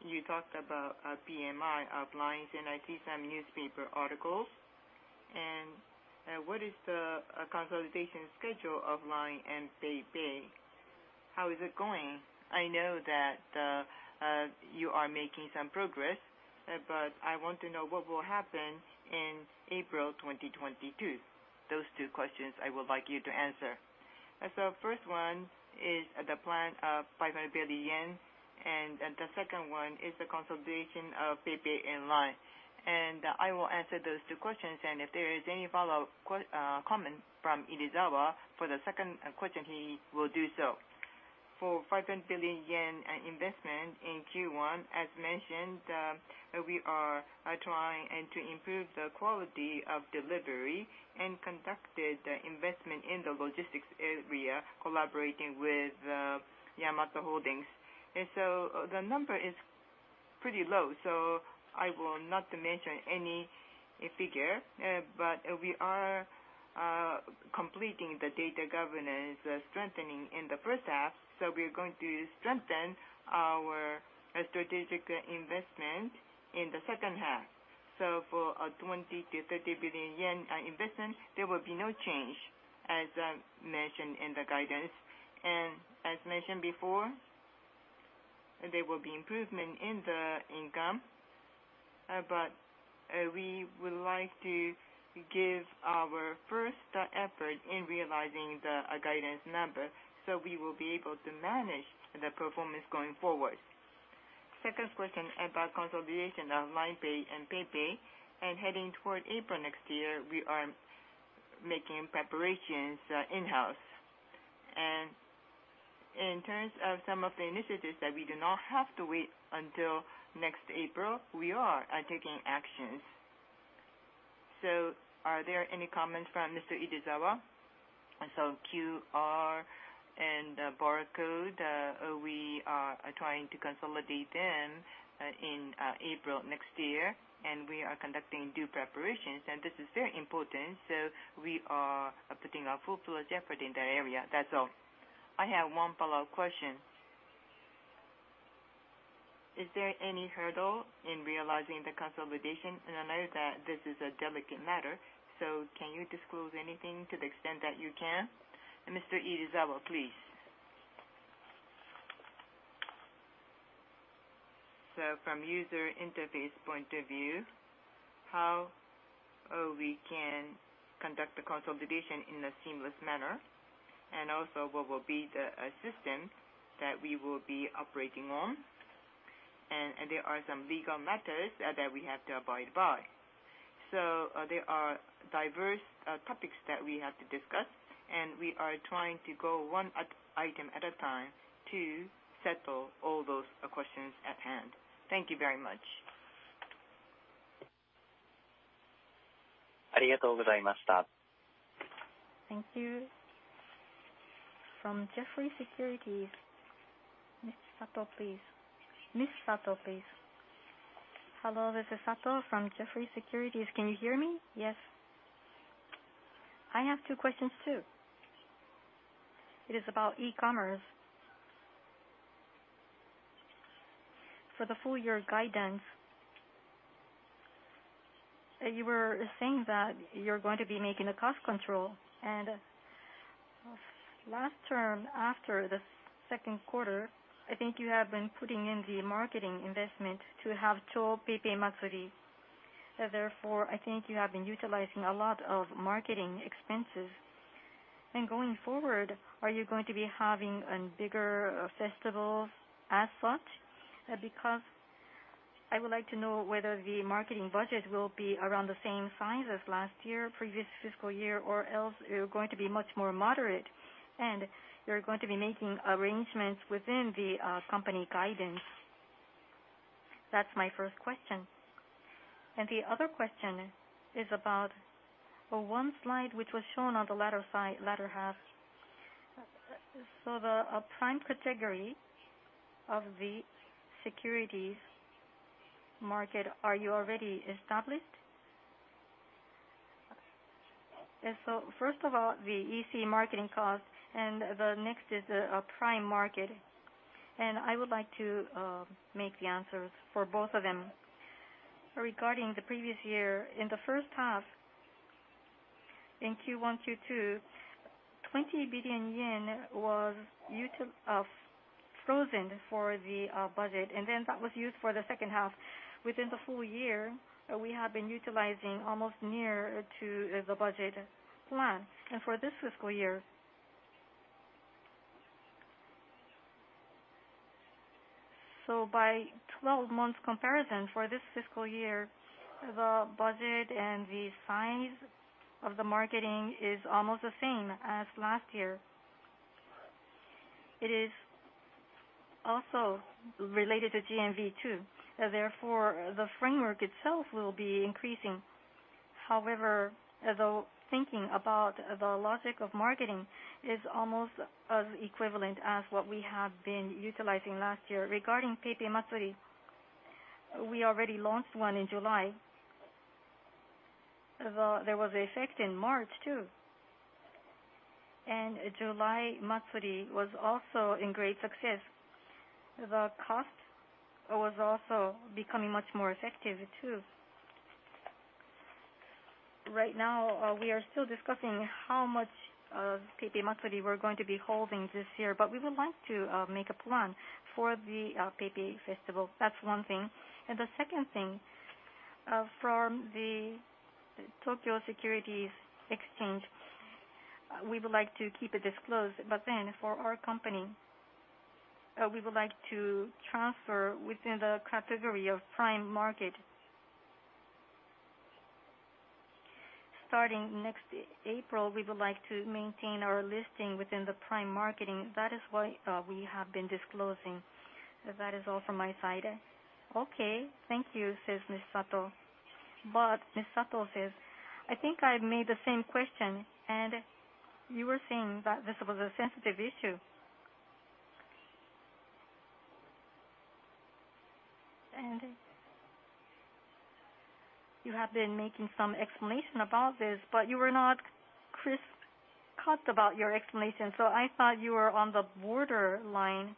You talked about PMI of LINE, and I see some newspaper articles. What is the consolidation schedule of LINE and PayPay? How is it going? I know that you are making some progress, but I want to know what will happen in April 2022. Those two questions I would like you to answer. First one is the plan of 500 billion yen, and the second one is the consolidation of PayPay and LINE. I will answer those two questions, and if there is any follow-up comment from Takeshi Idezawa for the second question, he will do so. For 500 billion yen investment in Q1, as mentioned, we are trying to improve the quality of delivery and conducted investment in the logistics area, collaborating with Yamato Holdings. The number is pretty low, so I will not mention any figure. We are completing the data governance strengthening in the first half. We are going to strengthen our strategic investment in the second half. For 20 billion-30 billion yen investment, there will be no change as mentioned in the guidance. As mentioned before, there will be improvement in the income, but we would like to give our first effort in realizing the guidance number, so we will be able to manage the performance going forward. Second question about consolidation of LINE Pay and PayPay. Heading toward April next year, we are making preparations in-house. In terms of some of the initiatives that we do not have to wait until next April, we are taking actions. Are there any comments from Mr. Idezawa? QR and barcode, we are trying to consolidate them in April next year, and we are conducting due preparations. This is very important, we are putting our full effort in that area. That's all. I have one follow-up question. Is there any hurdle in realizing the consolidation? I know that this is a delicate matter, can you disclose anything to the extent that you can? Mr. Idezawa, please. From user interface point of view, how we can conduct the consolidation in a seamless manner, what will be the system that we will be operating on. There are some legal matters that we have to abide by. There are diverse topics that we have to discuss, and we are trying to go one item at a time to settle all those questions at hand. Thank you very much. Thank you. From Jefferies Securities, Ms. Sato, please. Hello, this is Sato from Jefferies Securities. Can you hear me? Yes. I have two questions, too. It is about e-commerce. For the full year guidance, you were saying that you're going to be making a cost control. Last term, after the second quarter, I think you have been putting in the marketing investment to have Cho PayPay Matsuri. Therefore, I think you have been utilizing a lot of marketing expenses. Going forward, are you going to be having bigger festivals as such? Because I would like to know whether the marketing budget will be around the same size as last year, previous fiscal year, or else you're going to be much more moderate, and you're going to be making arrangements within the company guidance. That's my first question. The other question is about one slide, which was shown on the latter half. The Prime Market, are you already established? First of all, the easy marketing cost, the next is Prime Market. I would like to make the answers for both of them. Regarding the previous year, in the first half, in Q1, Q2, JPY 20 billion was frozen for the budget, that was used for the second half. Within the full year, we have been utilizing almost near to the budget plan. For this fiscal year, by 12 months comparison for this fiscal year, the budget and the size of the marketing is almost the same as last year. It is also related to GMV too. The framework itself will be increasing. The thinking about the logic of marketing is almost as equivalent as what we have been utilizing last year. Regarding PayPay Matsuri, we already launched one in July. There was an effect in March, too. July Matsuri was also a great success. The cost was also becoming much more effective, too. Right now, we are still discussing how much PayPay Matsuri we're going to be holding this year, but we would like to make a plan for the PayPay festival. That's one thing. The second thing, from the Tokyo Stock Exchange, we would like to keep it disclosed. For our company, we would like to transfer within the category of Prime Market. Starting next April, we would like to maintain our listing within the Prime Market. That is why we have been disclosing. That is all from my side. Okay. Thank you, says Ms. Sato. Ms. Sato says, I think I made the same question, and you were saying that this was a sensitive issue. You have been making some explanation about this, but you were not crisp cut about your explanation, so I thought you were on the borderline.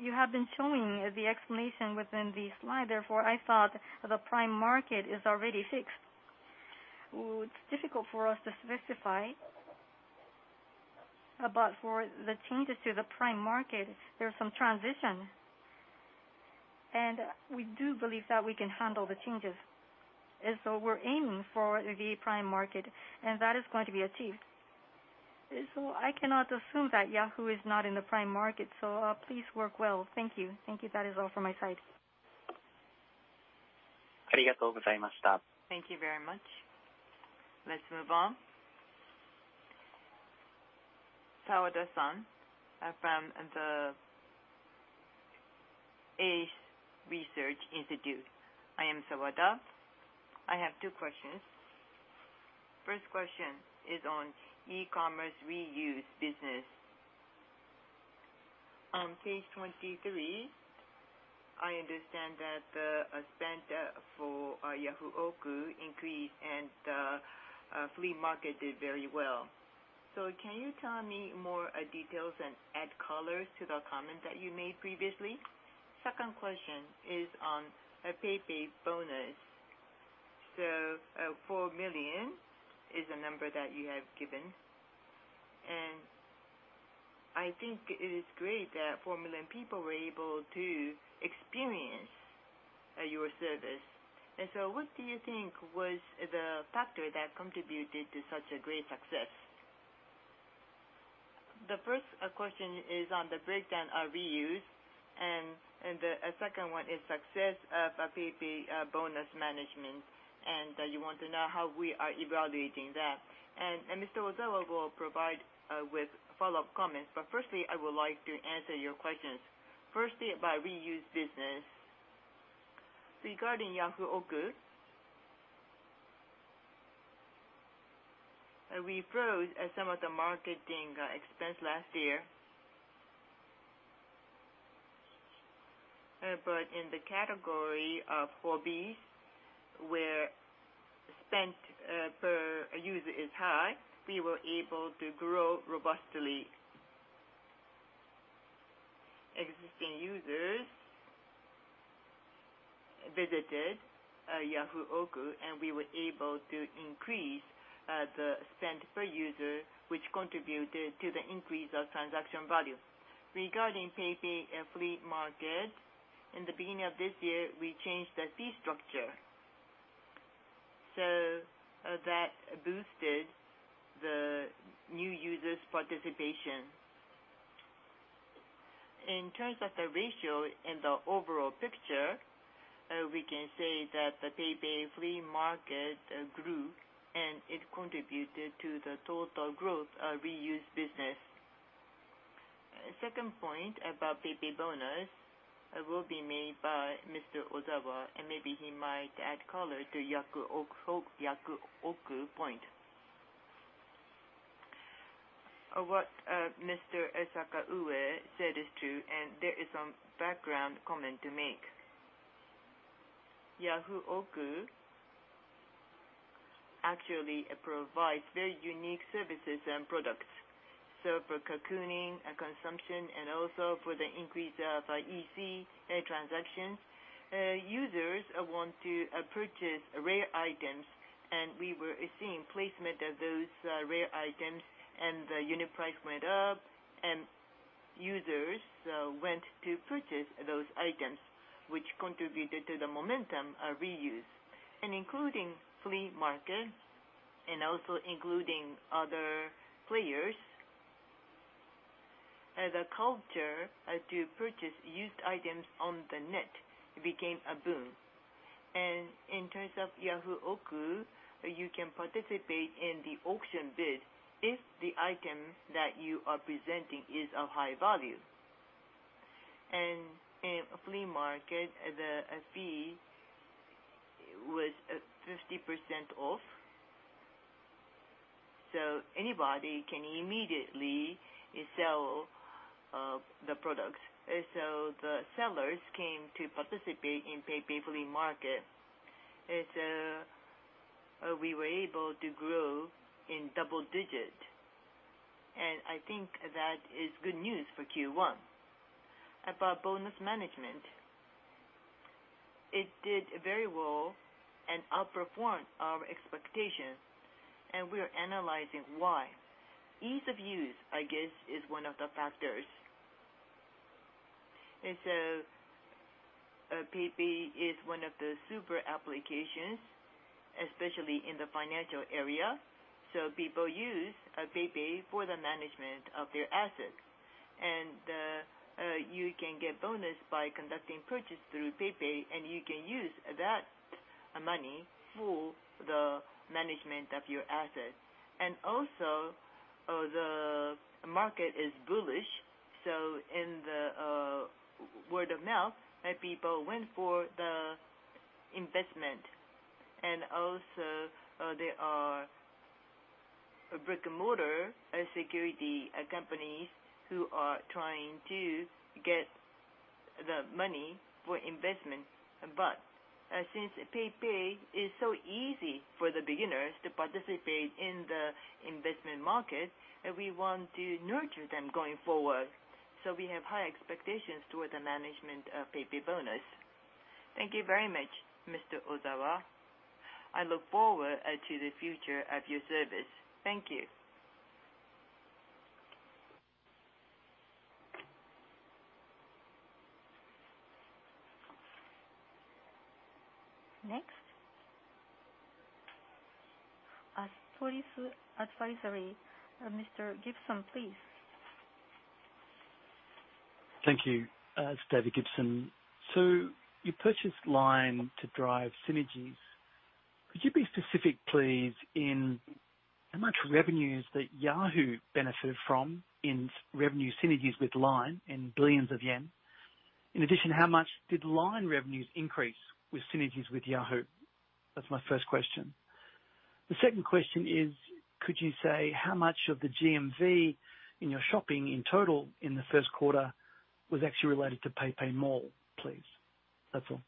You have been showing the explanation within the slide. Therefore, I thought the Prime Market is already fixed. It's difficult for us to specify. For the changes to the Prime Market, there's some transition. We do believe that we can handle the changes. We're aiming for the Prime Market, and that is going to be achieved. I cannot assume that Yahoo! is not in the Prime Market. Please work well. Thank you. Thank you. That is all from my side. Thank you very much. Let's move on. Sawada-san from the ACE Research Institute. I am Sawada. I have two questions. First question is on e-commerce reuse business. On page 23, I understand that the spend for Yahoo! Auctions increased and the flea market did very well. Can you tell me more details and add color to the comment that you made previously? Second question is on PayPay Bonus. Four million is the number that you have given, and I think it is great that four million people were able to experience your service. What do you think was the factor that contributed to such a great success? The first question is on the breakdown of reuse. The second one is success of PayPay Bonus management. You want to know how we are evaluating that. Mr. Ozawa will provide with follow-up comments. Firstly, I would like to answer your questions. Firstly, about reuse business. Regarding Yahoo! Auctions, we froze some of the marketing expense last year. In the category of hobbies, where spend per user is high, we were able to grow robustly. Existing users visited Yahoo! Auctions. We were able to increase the spend per user, which contributed to the increase of transaction value. Regarding PayPay Flea Market, in the beginning of this year, we changed the fee structure. That boosted the new users' participation. In terms of the ratio and the overall picture, we can say that the PayPay Flea Market grew, and it contributed to the total growth of reused business. Second point about PayPay Bonus will be made by Mr. Ozawa, and maybe he might add color to Yahoo! Auctions point. What Mr. Sakaue said is true, and there is some background comment to make. Yahoo! Auctions actually provides very unique services and products. For cocooning, consumption, and also for the increase of EC transactions, users want to purchase rare items, and we were seeing placement of those rare items, and the unit price went up, and users went to purchase those items, which contributed to the momentum of reused. Including Flea Market and also including other players, the culture to purchase used items on the net became a boom. In terms of Yahoo! Auctions, you can participate in the auction bid if the item that you are presenting is of high value. In PayPay Flea Market, the fee was 50% off, anybody can immediately sell the products. The sellers came to participate in PayPay Flea Market. We were able to grow in double digits, I think that is good news for Q1. About PayPay Bonus management, it did very well and outperformed our expectations, we are analyzing why. Ease of use, I guess, is one of the factors. PayPay is one of the super applications, especially in the financial area, people use PayPay for the management of their assets. You can get PayPay Bonus by conducting purchase through PayPay, you can use that money for the management of your assets. The market is bullish, so in the word of mouth, people went for the investment. There are brick-and-mortar security companies who are trying to get the money for investment. Since PayPay is so easy for the beginners to participate in the investment market, we want to nurture them going forward. We have high expectations toward the management of PayPay Bonus. Thank you very much, Mr. Ozawa. I look forward to the future of your service. Thank you. Next, advisory. Mr. Gibson, please. Thank you. It's David Gibson. You purchased LINE to drive synergies. Could you be specific, please, in how much revenues that Yahoo! benefited from in revenue synergies with LINE in billions of yen? In addition, how much did LINE revenues increase with synergies with Yahoo!? That's my first question. The second question is, could you say how much of the GMV in your shopping in total in the first quarter was actually related to PayPay Mall, please? That's all.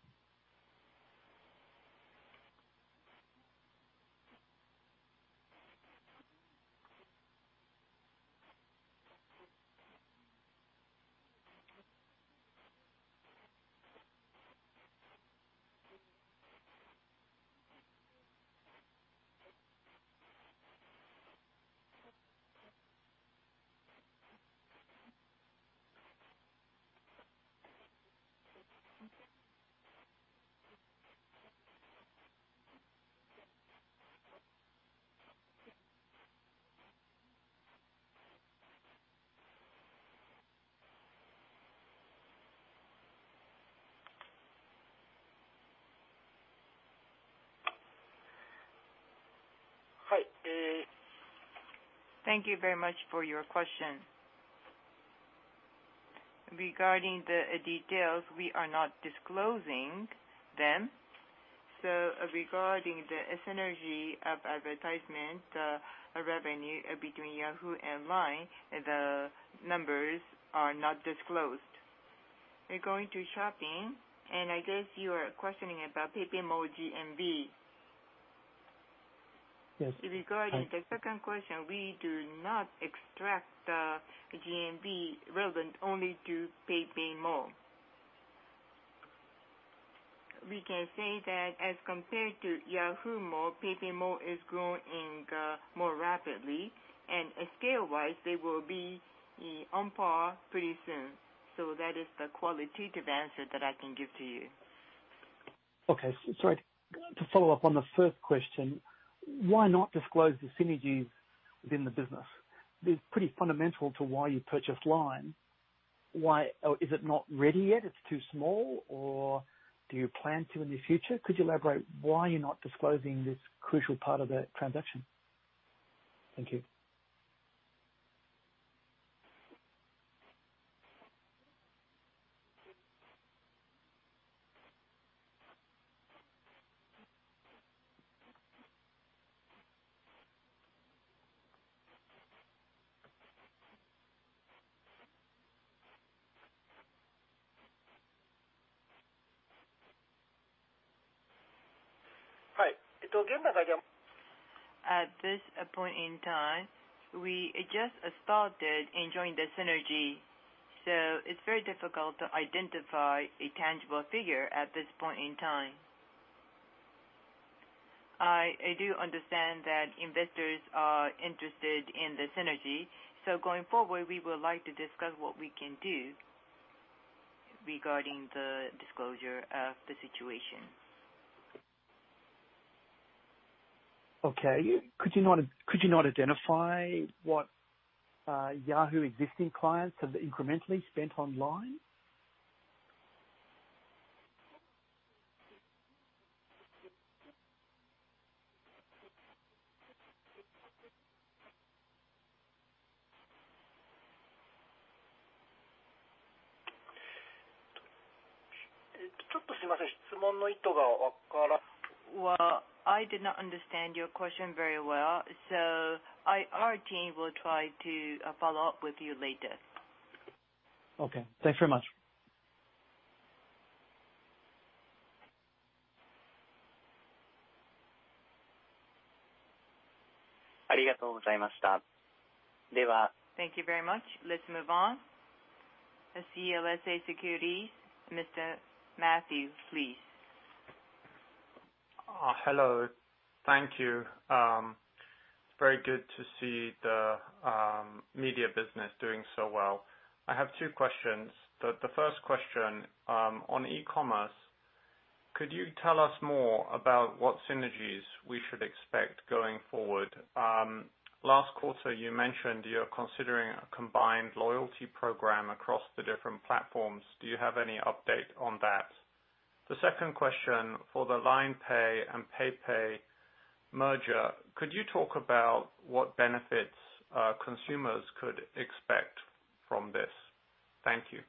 Thank you very much for your question. Regarding the details, we are not disclosing them. Regarding the synergy of advertisement revenue between Yahoo! and LINE, the numbers are not disclosed. Regarding to shopping, and I guess you are questioning about PayPay Mall GMV. Yes. Regarding the second question, we do not extract the GMV relevant only to PayPay Mall. We can say that as compared to Yahoo! Shopping, PayPay Mall is growing more rapidly, and scale-wise, they will be on par pretty soon. That is the qualitative answer that I can give to you. Okay. Sorry. To follow up on the first question, why not disclose the synergies within the business? It's pretty fundamental to why you purchased LINE. Is it not ready yet? It's too small, or do you plan to in the future? Could you elaborate why you're not disclosing this crucial part of the transaction? Thank you. Hi. At this point in time, we just started enjoying the synergy. It's very difficult to identify a tangible figure at this point in time. I do understand that investors are interested in the synergy. Going forward, we would like to discuss what we can do regarding the disclosure of the situation. Okay. Could you not identify what Yahoo! existing clients have incrementally spent online? Well, I did not understand your question very well, so our team will try to follow up with you later. Okay. Thanks very much. Thank you very much. Let's move on to CLSA Securities, Mr. Oliver Matthew. Hello. Thank you. Very good to see the media business doing so well. I have two questions. The first question on e-commerce, could you tell us more about what synergies we should expect going forward? Last quarter, you mentioned you're considering a combined loyalty program across the different platforms. Do you have any update on that? The second question for the LINE Pay and PayPay merger, could you talk about what benefits consumers could expect from this? Thank you.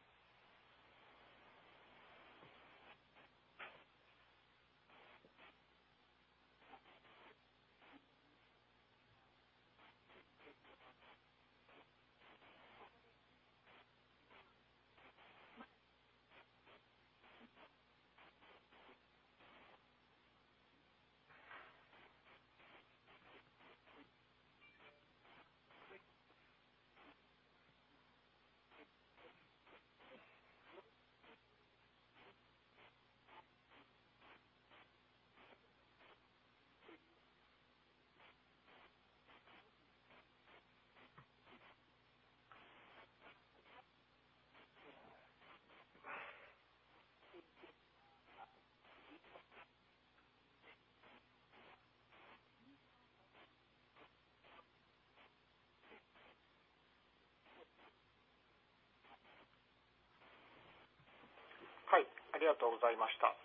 Hi.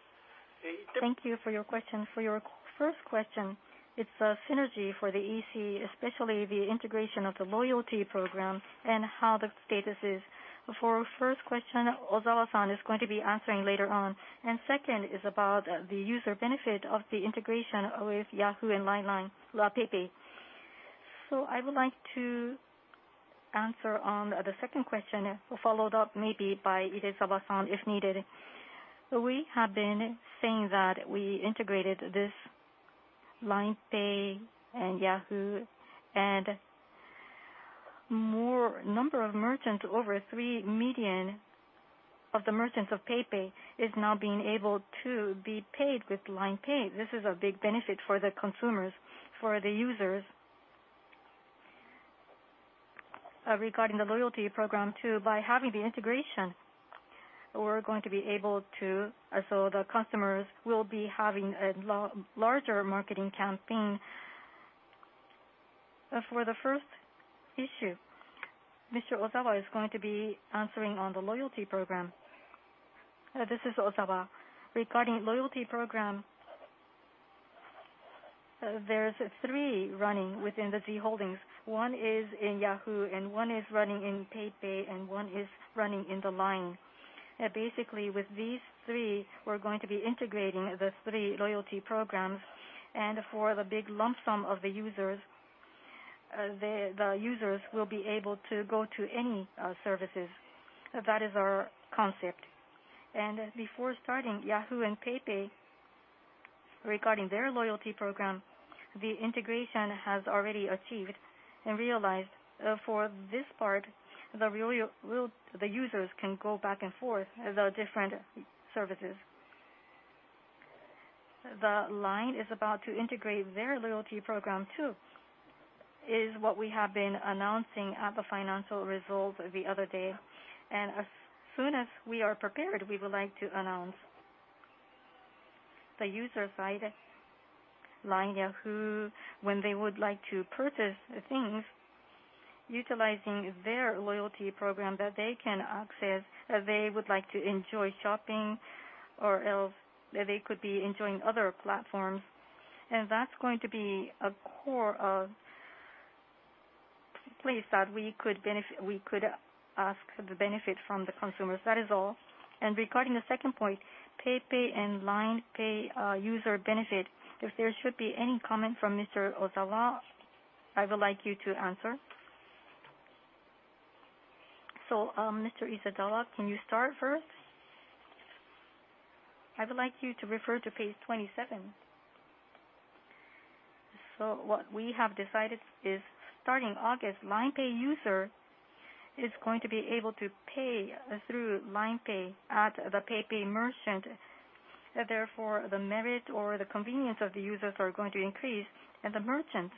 Thank you for your question. For your first question, it's a synergy for the EC, especially the integration of the loyalty program and how the status is. For first question, Ozawa-san is going to be answering later on. The second is about the user benefit of the integration with Yahoo! and LINE Pay, PayPay. I would like to answer on the second question, followed up maybe by Idezawa if needed. We have been saying that we integrated this LINE Pay and Yahoo!. More number of merchants, over three million of the merchants of PayPay is now being able to be paid with LINE Pay. This is a big benefit for the consumers, for the users. Regarding the loyalty program, too, by having the integration, the customers will be having a larger marketing campaign. For the first issue, Mr. Ozawa is going to be answering on the loyalty program. This is Ozawa. Regarding loyalty program, there's three running within the Z Holdings. One is in Yahoo! and one is running in PayPay, and one is running in the LINE. Basically, with these three, we're going to be integrating the three loyalty programs, and for the big lump sum of the users, the users will be able to go to any services. That is our concept. Before starting, Yahoo! and PayPay, regarding their loyalty program, the integration has already achieved and realized. For this part, the users can go back and forth the different services. The LINE is about to integrate their loyalty program, too. Is what we have been announcing at the financial results the other day. As soon as we are prepared, we would like to announce the user side, LINE Yahoo!, when they would like to purchase things utilizing their loyalty program that they can access, they would like to enjoy shopping or else they could be enjoying other platforms. That's going to be a core of place that we could ask the benefit from the consumers. That is all. Regarding the second point, PayPay and LINE Pay user benefit, if there should be any comment from Mr. Ozawa, I would like you to answer. Mr. Idezawa, can you start first? I would like you to refer to page 27. What we have decided is starting August, LINE Pay user is going to be able to pay through LINE Pay at the PayPay merchant. The merit or the convenience of the users are going to increase, the merchants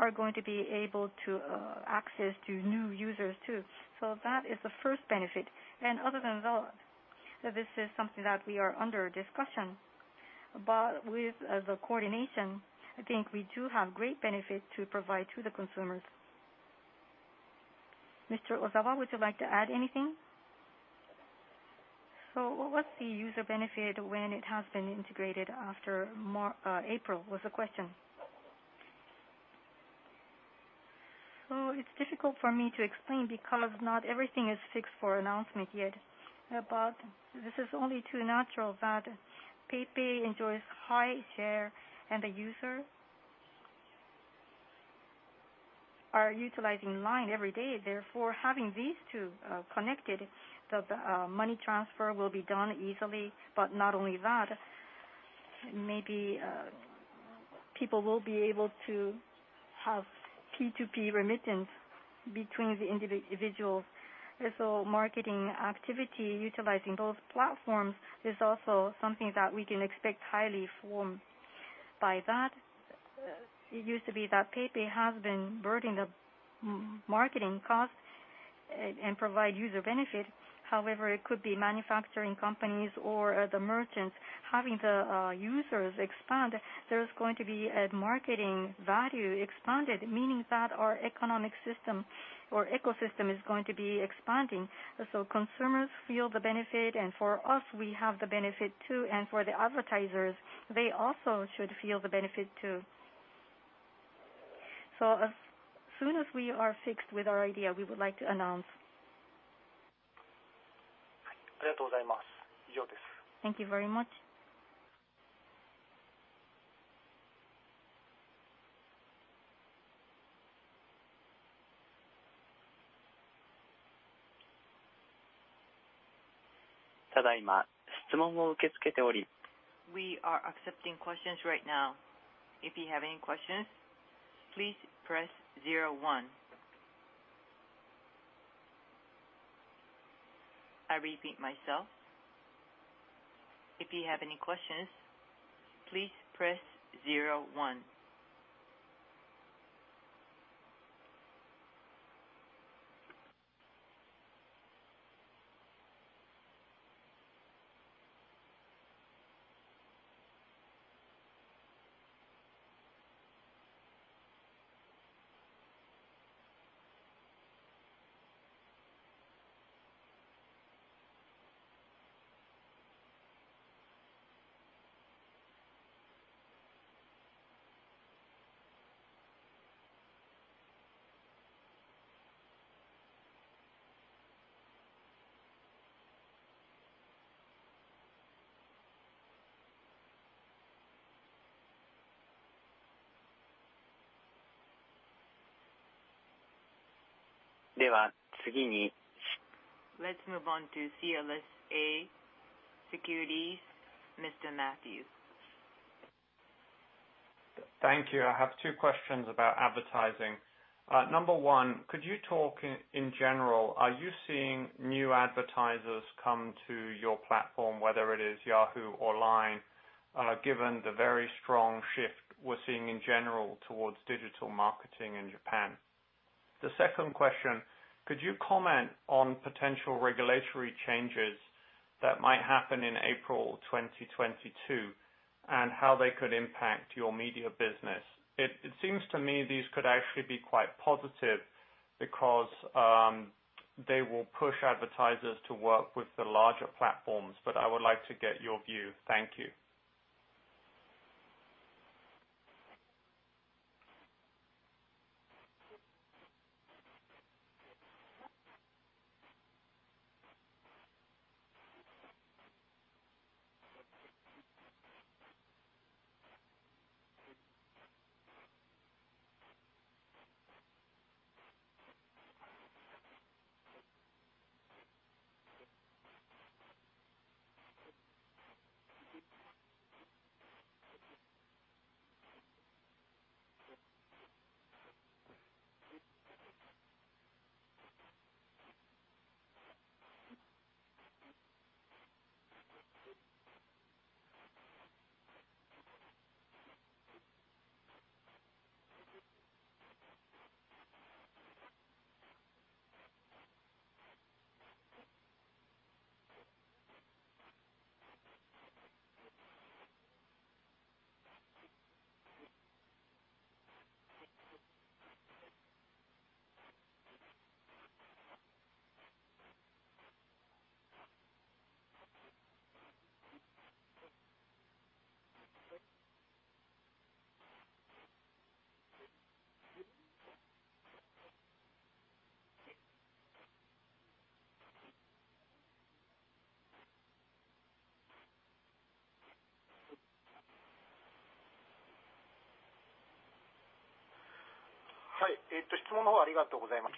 are going to be able to access to new users, too. That is the first benefit. Other than that, this is something that we are under discussion. With the coordination, I think we do have great benefit to provide to the consumers. Mr. Ozawa, would you like to add anything? What's the user benefit when it has been integrated after April, was the question. It's difficult for me to explain because not everything is fixed for announcement yet. This is only too natural that PayPay enjoys high share and the users are utilizing LINE every day. Having these two connected, the money transfer will be done easily, but not only that, maybe people will be able to have P2P remittance between the individuals. Marketing activity utilizing both platforms is also something that we can expect highly from. By that, it used to be that PayPay has been burden the marketing cost and provide user benefit. It could be manufacturing companies or the merchants having the users expand, there is going to be a marketing value expanded, meaning that our economic system or ecosystem is going to be expanding. Consumers feel the benefit, for us, we have the benefit too, for the advertisers, they also should feel the benefit too. As soon as we are fixed with our idea, we would like to announce. Thank you very much. We are accepting questions right now. If you have any questions, please press zero one. I repeat myself. If you have any questions, please press zero one. Let's move on to CLSA Securities, Mr. Matthew. Thank you. I have two questions about advertising. Number one, could you talk in general, are you seeing new advertisers come to your platform, whether it is Yahoo! or LINE, given the very strong shift we're seeing in general towards digital marketing in Japan? The second question, could you comment on potential regulatory changes that might happen in April 2022 and how they could impact your media business? It seems to me these could actually be quite positive because they will push advertisers to work with the larger platforms, but I would like to get your view. Thank you.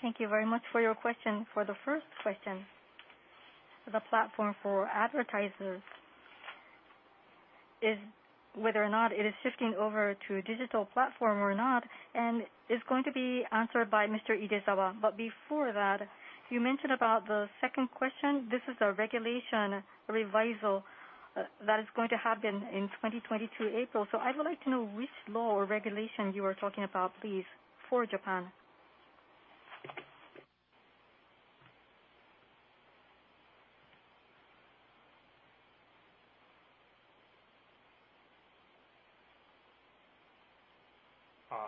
Thank you very much for your question. For the first question, the platform for advertisers, whether or not it is shifting over to a digital platform or not, is going to be answered by Mr. Idezawa. Before that, you mentioned about the second question, this is a regulation revisal that is going to happen in 2022 April. I would like to know which law or regulation you are talking about, please, for Japan.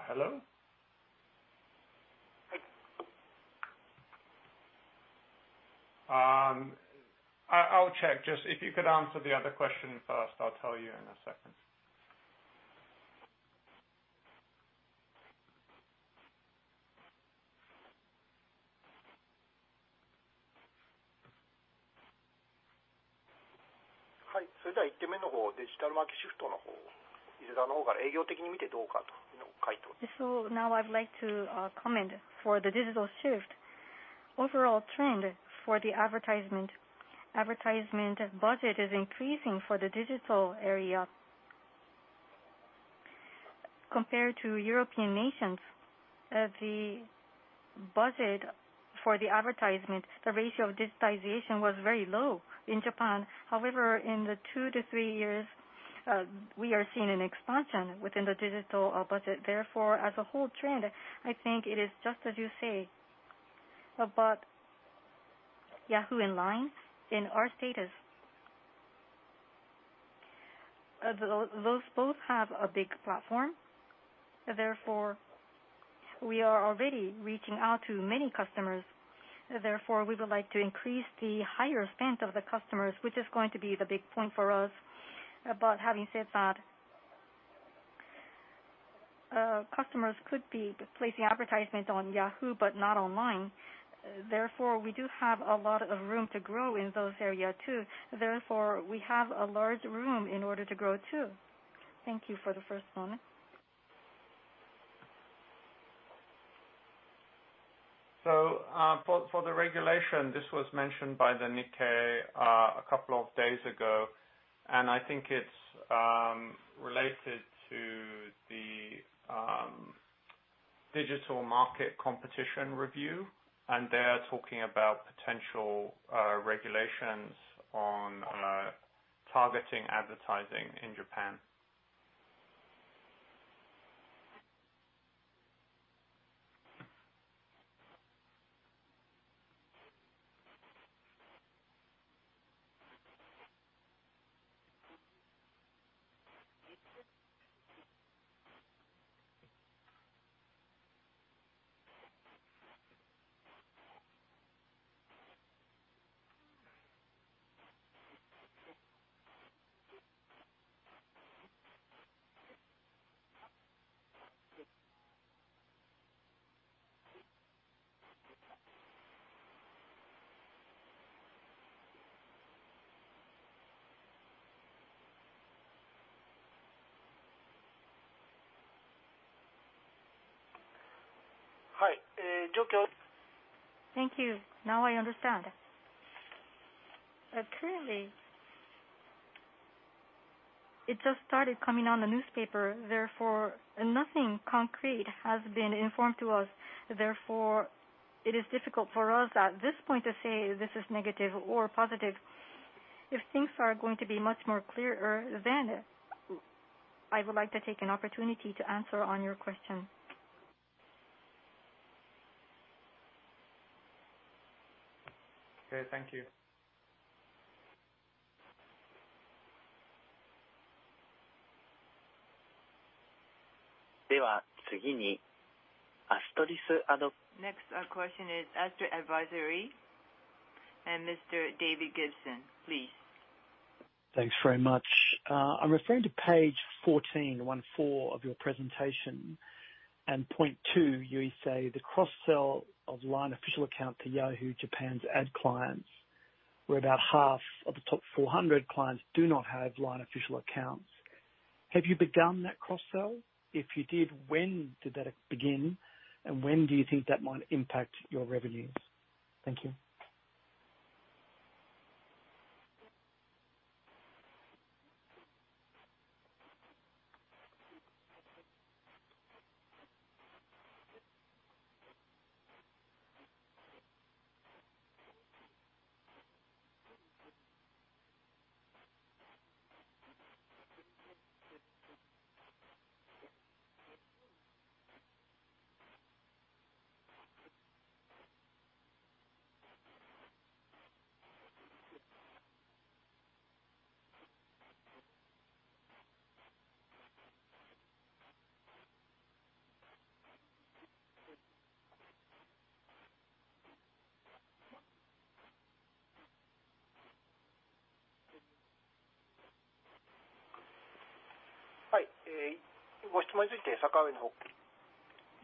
Hello? I'll check. Just if you could answer the other question first, I'll tell you in a second. Now I'd like to comment. For the digital shift, overall trend for the advertisement budget is increasing for the digital area. Compared to European nations, the budget for the advertisement, the ratio of digitization was very low in Japan. However, in the two to three years, we are seeing an expansion within the digital budget. As a whole trend, I think it is just as you say. About Yahoo! and LINE, in our status, those both have a big platform. We are already reaching out to many customers. We would like to increase the higher spend of the customers, which is going to be the big point for us. Having said that, customers could be placing advertisement on Yahoo!, but not on LINE. We do have a lot of room to grow in those area too. We have a large room in order to grow, too. Thank you for the first one. For the regulation, this was mentioned by the Nikkei a couple of days ago, and I think it's related to the Digital Market Competition Review, and they're talking about potential regulations on targeting advertising in Japan. Thank you. Now I understand. Currently, it just started coming out in the newspaper, nothing concrete has been informed to us. It is difficult for us at this point to say this is negative or positive. If things are going to be much more clearer, I would like to take an opportunity to answer on your question. Okay. Thank you. Next question is Astris Advisory and Mr. David Gibson, please. Thanks very much. I'm referring to page 14 of your presentation and point two, you say the cross-sell of LINE Official Account to Yahoo! JAPAN's ad clients, where about half of the top 400 clients do not have LINE Official Accounts. Have you begun that cross-sell? If you did, when did that begin, and when do you think that might impact your revenues? Thank you.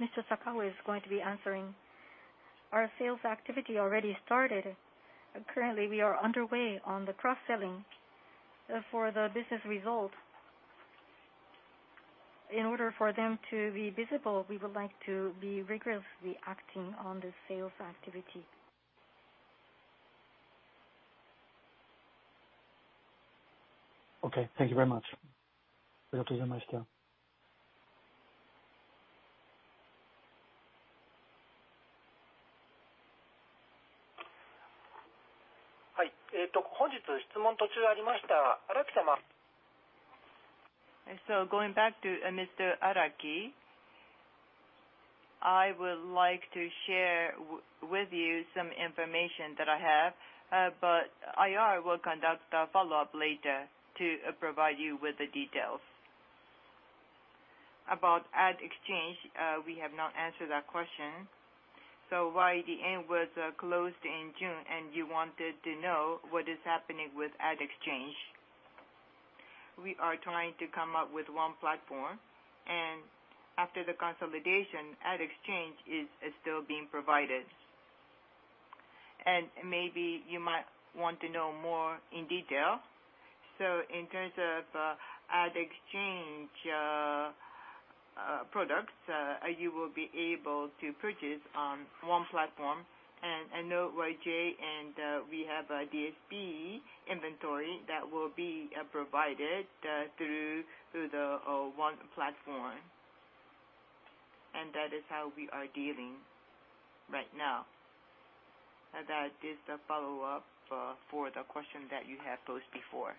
Mr. Sakaue is going to be answering. Our sales activity already started. Currently, we are underway on the cross-selling for the business result. In order for them to be visible, we would like to be rigorously acting on the sales activity. Okay. Thank you very much. Going back to Mr. Araki, I would like to share with you some information that I have, but IR will conduct a follow-up later to provide you with the details. About ad exchange, we have not answered that question. While the end was closed in June and you wanted to know what is happening with ad exchange, we are trying to come up with one platform, and after the consolidation, ad exchange is still being provided. Maybe you might want to know more in detail. In terms of ad exchange products, you will be able to purchase on one platform. I know YJ and we have a DSP inventory that will be provided through the one platform. That is how we are dealing right now. That is the follow-up for the question that you have posed before.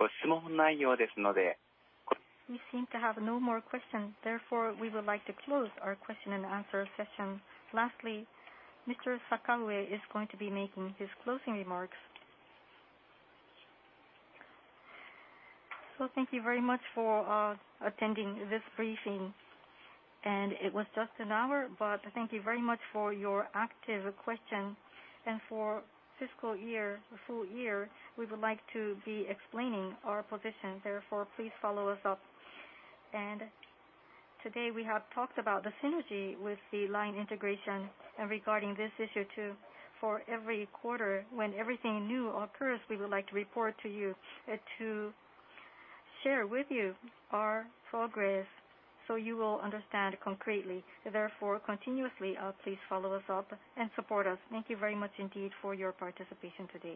We seem to have no more questions. Therefore, we would like to close our question and answer session. Lastly, Mr. Sakaue is going to be making his closing remarks. Thank you very much for attending this briefing. It was just an hour, but thank you very much for your active question. For fiscal year, full year, we would like to be explaining our position. Therefore, please follow us up. Today we have talked about the synergy with the LINE integration and regarding this issue too, for every quarter, when everything new occurs, we would like to report to you to share with you our progress so you will understand concretely. Therefore, continuously, please follow us up and support us. Thank you very much indeed for your participation today.